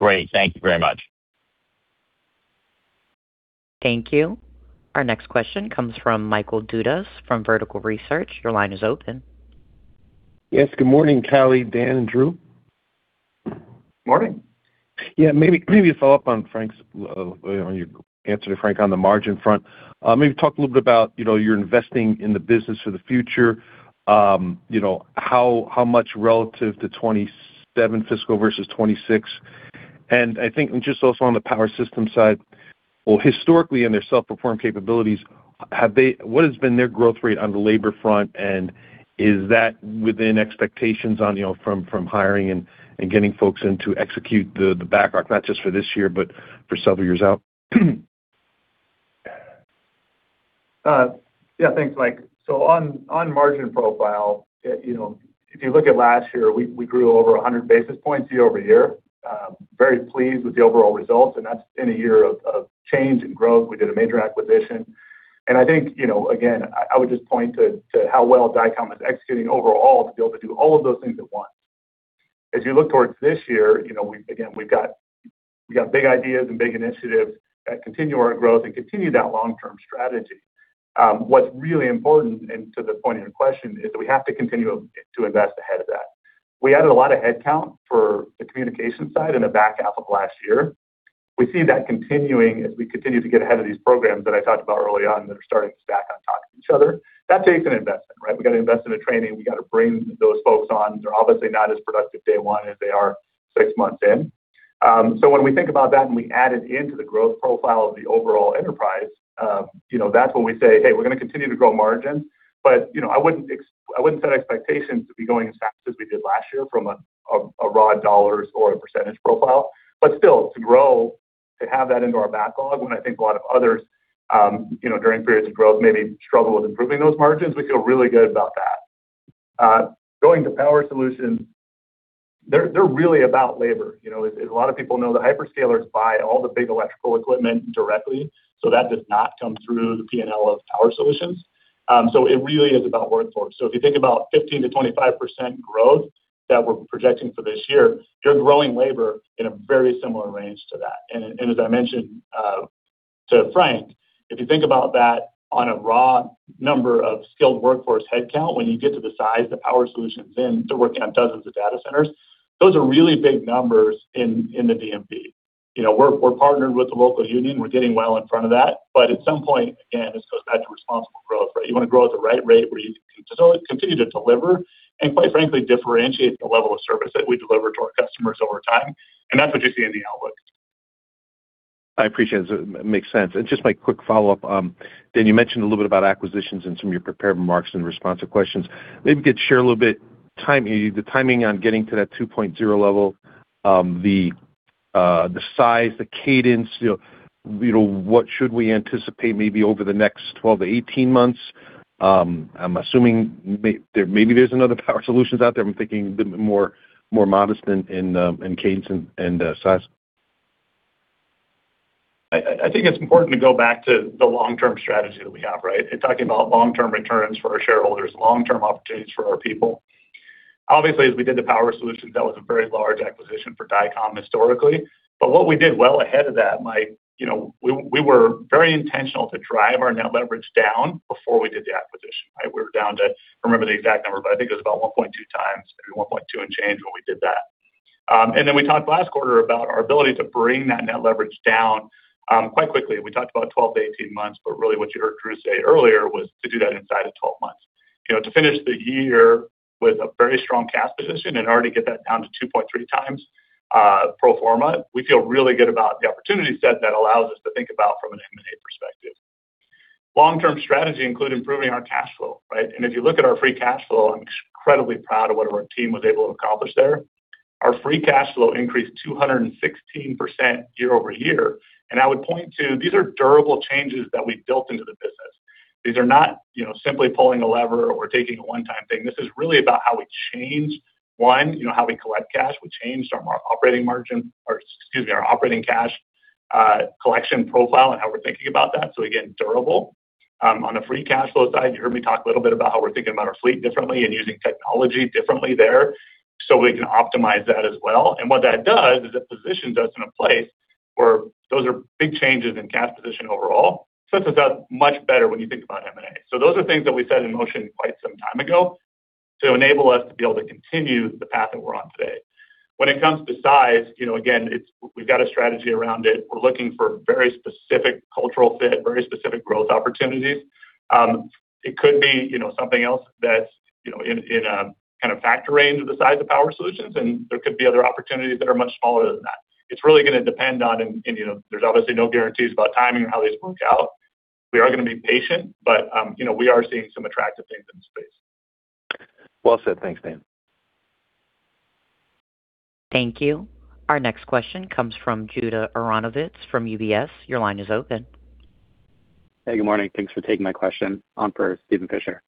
Great. Thank you very much. Thank you. Our next question comes from Michael Dudas from Vertical Research. Your line is open. Yes. Good morning, Callie, Dan, and Andrew. Morning. Yeah, maybe a follow-up on Frank's on your answer to Frank on the margin front. Maybe talk a little bit about, you know, you're investing in the business for the future. You know, how much relative to 2027 fiscal versus 2026? I think just also on the Building Systems side. Well, historically, in their self-performed capabilities, have they what has been their growth rate on the labor front, and is that within expectations on, you know, from hiring and getting folks in to execute the backlog, not just for this year, but for several years out? Yeah. Thanks, Mike. On, on margin profile, you know, if you look at last year, we grew over 100 basis points year-over-year. Very pleased with the overall results, and that's in a year of change and growth. We did a major acquisition. I think, you know, again, I would just point to how well Dycom is executing overall to be able to do all of those things at once. As you look towards this year, you know, again, we've got, we've got big ideas and big initiatives that continue our growth and continue that long-term strategy. What's really important, and to the point of your question, is that we have to continue to invest ahead of that. We added a lot of headcount for the Communications side in the back half of last year. We see that continuing as we continue to get ahead of these programs that I talked about early on that are starting to stack on top of each other. That takes an investment, right? We gotta invest in the training. We gotta bring those folks on. They're obviously not as productive day one as they are six months in. When we think about that and we add it into the growth profile of the overall enterprise, you know, that's when we say, "Hey, we're gonna continue to grow margin." You know, I wouldn't set expectations to be going as fast as we did last year from a raw dollars or a percentage profile. Still, to grow, to have that into our backlog, when I think a lot of others, you know, during periods of growth maybe struggle with improving those margins, we feel really good about that. Going to Power Solutions. They're really about labor. You know, as a lot of people know, the hyperscalers buy all the big electrical equipment directly, so that does not come through the P&L of Power Solutions. It really is about workforce. If you think about 15%-25% growth that we're projecting for this year, you're growing labor in a very similar range to that. As I mentioned to Frank, if you think about that on a raw number of skilled workforce headcount, when you get to the size that Power Solutions in, they're working on dozens of data centers. Those are really big numbers in the DMP. You know, we're partnered with the local union. We're getting well in front of that. At some point, again, this goes back to responsible growth, right? You wanna grow at the right rate where you can continue to deliver and quite frankly, differentiate the level of service that we deliver to our customers over time. That's what you see in the outlook. I appreciate it. Makes sense. Just my quick follow-up. Dan, you mentioned a little bit about acquisitions in some of your prepared remarks in response to questions. Maybe you could share a little bit timing, the timing on getting to that 2.0 level, the size, the cadence. You know, what should we anticipate maybe over the next 12-18 months? I'm assuming maybe there's another Power Solutions out there. I'm thinking more, more modest in cadence and size. I think it's important to go back to the long-term strategy that we have, right? In talking about long-term returns for our shareholders, long-term opportunities for our people. Obviously, as we did the Power Solutions, that was a very large acquisition for Dycom historically. What we did well ahead of that, Mike, you know, we were very intentional to drive our net leverage down before we did the acquisition, right? We were down to... I don't remember the exact number, but I think it was about 1.2x, maybe 1.2x and change when we did that. We talked last quarter about our ability to bring that net leverage down quite quickly. We talked about 12 months-18 months, but really what you heard Andrew say earlier was to do that inside of 12 months. You know, to finish the year with a very strong cash position and already get that down to 2.3x pro forma, we feel really good about the opportunity set that allows us to think about from an M&A perspective. Long-term strategy include improving our cash flow, right? If you look at our free cash flow, I'm incredibly proud of what our team was able to accomplish there. Our free cash flow increased 216% year-over-year. I would point to these are durable changes that we built into the business. These are not, you know, simply pulling a lever or taking a one-time thing. This is really about how we change, one, you know, how we collect cash. We changed from our operating cash collection profile and how we're thinking about that, again, durable. On the free cash flow side, you heard me talk a little bit about how we're thinking about our fleet differently and using technology differently there, we can optimize that as well. What that does is it positions us in a place where those are big changes in cash position overall. Sets us up much better when you think about M&A. Those are things that we set in motion quite some time ago to enable us to be able to continue the path that we're on today. When it comes to size, you know, again, we've got a strategy around it. We're looking for very specific cultural fit, very specific growth opportunities. It could be, you know, something else that's, you know, in a kinda factor range of the size of Power Solutions. There could be other opportunities that are much smaller than that. It's really gonna depend on and, you know, there's obviously no guarantees about timing or how these work out. We are gonna be patient. You know, we are seeing some attractive things in the space. Well said. Thanks, Dan. Thank you. Our next question comes from Judah Aronovitz from UBS. Your line is open. Hey, good morning. Thanks for taking my question. On for Steven Fisher.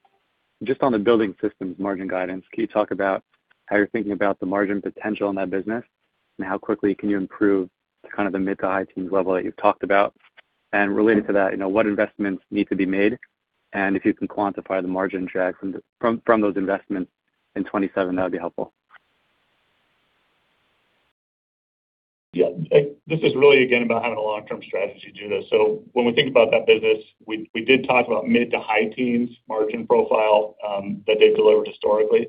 Just on the Building Systems margin guidance, can you talk about how you're thinking about the margin potential in that business, and how quickly can you improve to kind of the mid to high teens level that you've talked about? Related to that, you know, what investments need to be made, and if you can quantify the margin drag from those investments in 2027, that would be helpful. This is really again about having a long-term strategy, Judah. When we think about that business, we did talk about mid to high teens margin profile that they've delivered historically.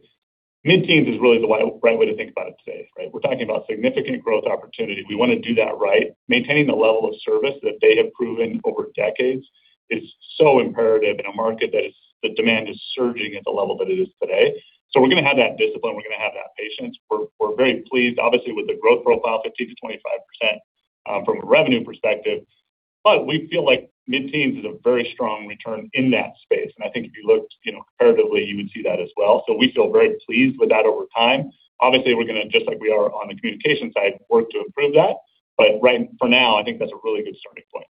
Mid-teens is really the right way to think about it today, right? We're talking about significant growth opportunity. We wanna do that right. Maintaining the level of service that they have proven over decades is so imperative in a market that is, the demand is surging at the level that it is today. We're gonna have that discipline, we're gonna have that patience. We're very pleased, obviously, with the growth profile, 15%-25%, from a revenue perspective. We feel like mid-teens is a very strong return in that space. I think if you looked, you know, comparatively, you would see that as well. We feel very pleased with that over time. Obviously, we're gonna, just like we are on the communication side, work to improve that. Right for now, I think that's a really good starting point.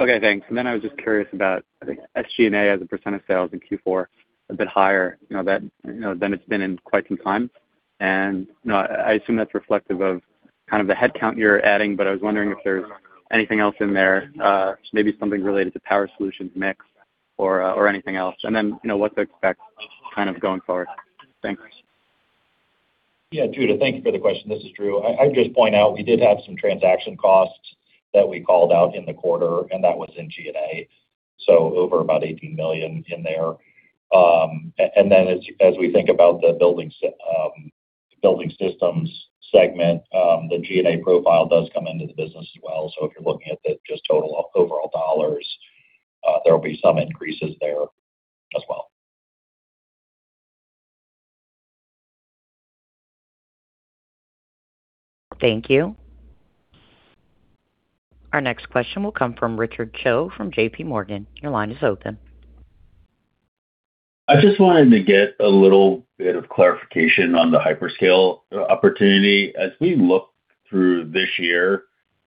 Okay, thanks. I was just curious about, I think, SG&A as a % of sales in Q4, a bit higher, you know, that, you know, than it's been in quite some time. you know, I assume that's reflective of kind of the headcount you're adding, but I was wondering if there's anything else in there, maybe something related to Power Solutions mix or anything else. you know, what to expect kind of going forward. Thanks. Judah, thank you for the question. This is Andrew. I'd just point out we did have some transaction costs that we called out in the quarter, and that was in G&A, so over about $18 million in there. Then as we think about the Building Systems segment, the G&A profile does come into the business as well. If you're looking at the just total overall dollars, there will be some increases there as well. Thank you. Our next question will come from Richard Choe from JPMorgan. Your line is open. I just wanted to get a little bit of clarification on the hyperscale opportunity, as we look through this year.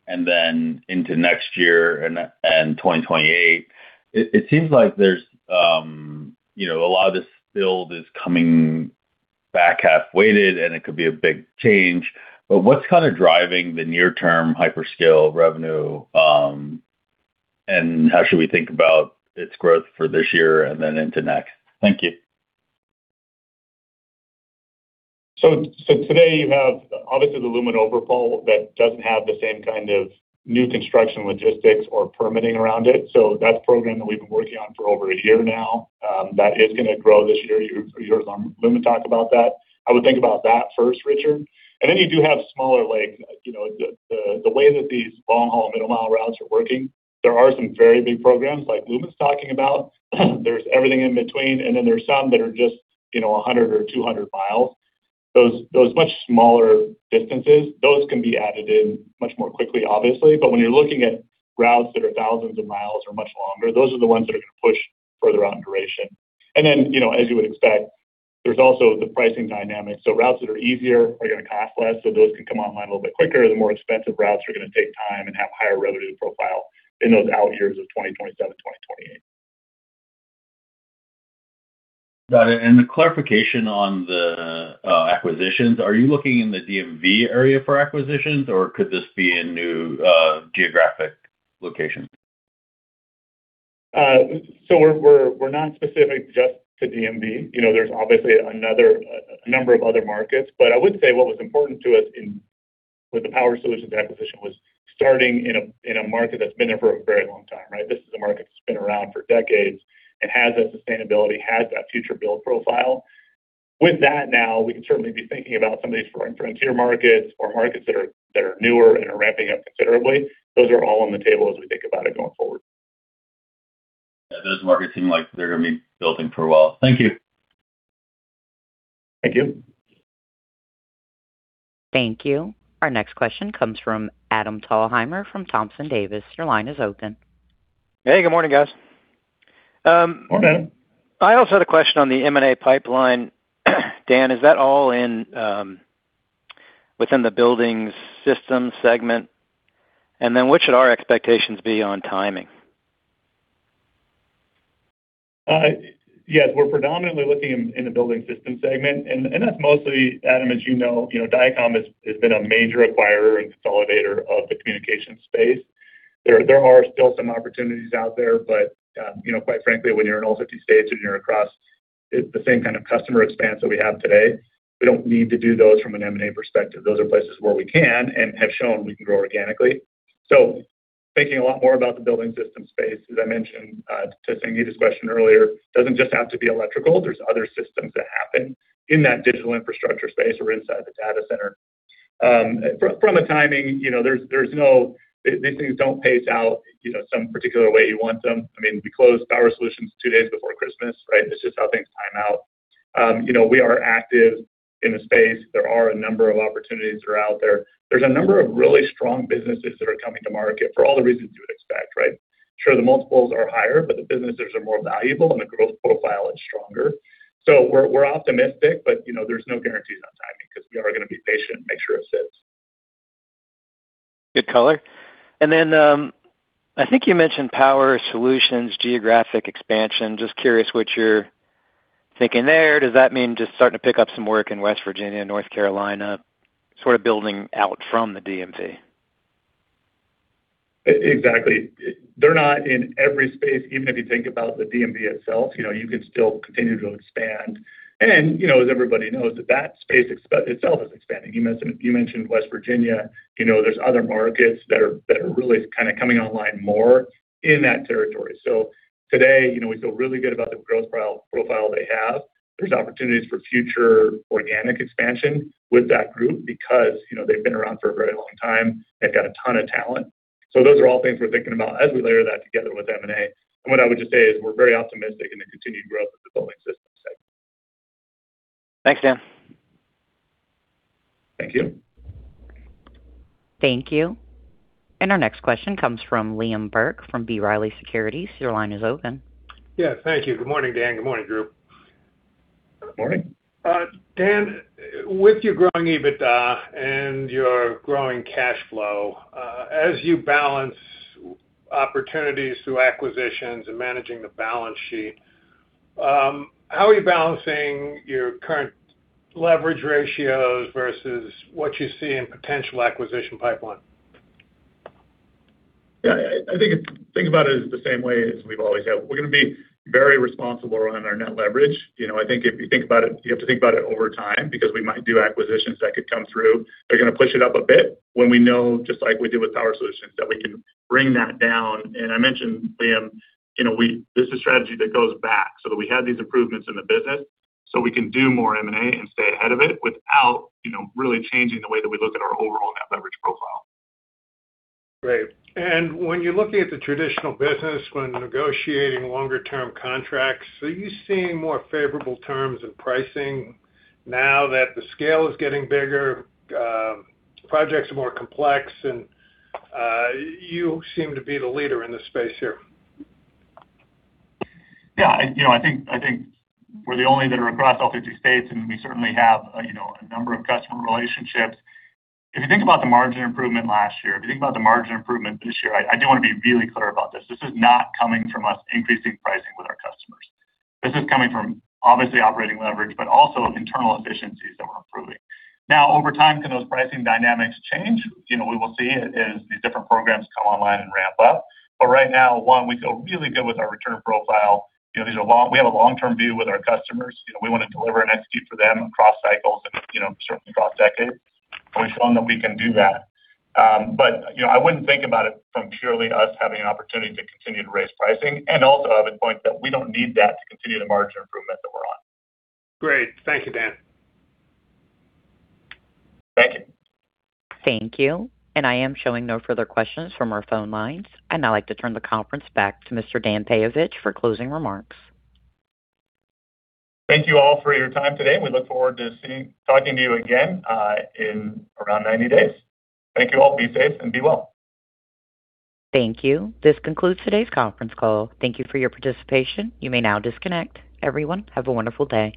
Then into next year and 2028, it seems like there's, you know, a lot of this build is coming back half weighted, and it could be a big change. What's kinda driving the near-term hyperscale revenue, and how should we think about its growth for this year and then into next? Thank you. Today you have obviously the Lumen overpole that doesn't have the same kind of new construction logistics or permitting around it. That's a program that we've been working on for over a year now, that is gonna grow this year. You heard Lumen talk about that. I would think about that first, Richard. Then you do have smaller like, you know, the, the way that these long-haul middle-mile routes are working, there are some very big programs like Lumen's talking about. There's everything in between, and then there's some that are just, you know, 100 miles or 200 miles. Those much smaller distances, those can be added in much more quickly obviously. When you're looking at routes that are thousands of miles or much longer, those are the ones that are gonna push further out in duration. Then, you know, as you would expect, there's also the pricing dynamic. Routes that are easier are gonna cost less, so those can come online a little bit quicker. The more expensive routes are gonna take time and have higher revenue profile in those out years of 2027, 2028. Got it. The clarification on the acquisitions, are you looking in the DMV area for acquisitions, or could this be a new geographic location? We're not specific just to DMV. You know, there's obviously a number of other markets. I would say what was important to us with the Power Solutions acquisition was starting in a market that's been there for a very long time, right? This is a market that's been around for decades and has that sustainability, has that future build profile. With that now, we can certainly be thinking about some of these foreign frontier markets or markets that are newer and are ramping up considerably. Those are all on the table as we think about it going forward. Yeah, those markets seem like they're gonna be building for a while. Thank you. Thank you. Thank you. Our next question comes from Adam Thalhimer from Thompson Davis. Your line is open. Hey, good morning, guys. Morning. I also had a question on the M&A pipeline. Dan, is that all in within the Building Systems segment? What should our expectations be on timing? Yes, we're predominantly looking in the Building Systems segment. That's mostly, Adam, as you know, Dycom has been a major acquirer and consolidator of the Communications space. There are still some opportunities out there, but, you know, quite frankly, when you're in all 50 states and you're across the same kind of customer expanse that we have today, we don't need to do those from an M&A perspective. Those are places where we can and have shown we can grow organically. Thinking a lot more about the Building Systems space, as I mentioned, to Sangita's question earlier, doesn't just have to be electrical. There's other systems that happen in that digital infrastructure space or inside the data center. From a timing, you know, there's no... These things don't pace out, you know, some particular way you want them. I mean, we closed Power Solutions two days before Christmas, right? It's just how things time out. You know, we are active in the space. There are a number of opportunities that are out there. There's a number of really strong businesses that are coming to market for all the reasons you would expect, right? Sure, the multiples are higher, but the businesses are more valuable, and the growth profile is stronger. We're optimistic, but, you know, there's no guarantees on timing because we are gonna be patient and make sure it fits. Good color. I think you mentioned Power Solutions, geographic expansion. Just curious what you're thinking there. Does that mean just starting to pick up some work in West Virginia, North Carolina, sort of building out from the DMV? Exactly. They're not in every space. Even if you think about the DMV itself, you know, you can still continue to expand. You know, as everybody knows that that space itself is expanding. You mentioned West Virginia. You know, there's other markets that are really kinda coming online more in that territory. Today, you know, we feel really good about the growth profile they have. There's opportunities for future organic expansion with that group because, you know, they've been around for a very long time. They've got a ton of talent. Those are all things we're thinking about as we layer that together with M&A. What I would just say is we're very optimistic in the continued growth of the Building Systems segment. Thanks, Dan. Thank you. Thank you. Our next question comes from Liam Burke from B. Riley Securities. Your line is open. Yeah, thank you. Good morning, Dan. Good morning, group. Good morning. Dan, with your growing EBITDA and your growing cash flow, as you balance opportunities through acquisitions and managing the balance sheet, how are you balancing your current leverage ratios versus what you see in potential acquisition pipeline? Yeah. I think about it as the same way as we've always have. We're gonna be very responsible around our net leverage. You know, I think if you think about it, you have to think about it over time because we might do acquisitions that could come through. They're gonna push it up a bit when we know, just like we did with Power Solutions, that we can bring that down. I mentioned, Liam, you know, this is a strategy that goes back so that we have these improvements in the business, so we can do more M&A and stay ahead of it without, you know, really changing the way that we look at our overall net leverage profile. Great. When you're looking at the traditional business when negotiating longer term contracts, are you seeing more favorable terms and pricing now that the scale is getting bigger, projects are more complex and, you seem to be the leader in this space here? You know, I think we're the only that are across all 50 states. We certainly have, you know, a number of customer relationships. If you think about the margin improvement last year, if you think about the margin improvement this year, I do wanna be really clear about this. This is not coming from us increasing pricing with our customers. This is coming from obviously operating leverage, but also internal efficiencies that we're improving. Now, over time, can those pricing dynamics change? You know, we will see as these different programs come online and ramp up. Right now, one, we feel really good with our return profile. You know, these are we have a long-term view with our customers. You know, we wanna deliver and execute for them across cycles and, you know, certainly across decades. We've shown that we can do that. You know, I wouldn't think about it from purely us having an opportunity to continue to raise pricing and also of the point that we don't need that to continue the margin improvement that we're on. Great. Thank you, Dan. Thank you. Thank you. I am showing no further questions from our phone lines, and I'd like to turn the conference back to Mr. Dan Peyovich for closing remarks. Thank you all for your time today. We look forward to talking to you again, in around 90 days. Thank you all. Be safe and be well. Thank you. This concludes today's conference call. Thank you for your participation. You may now disconnect. Everyone, have a wonderful day.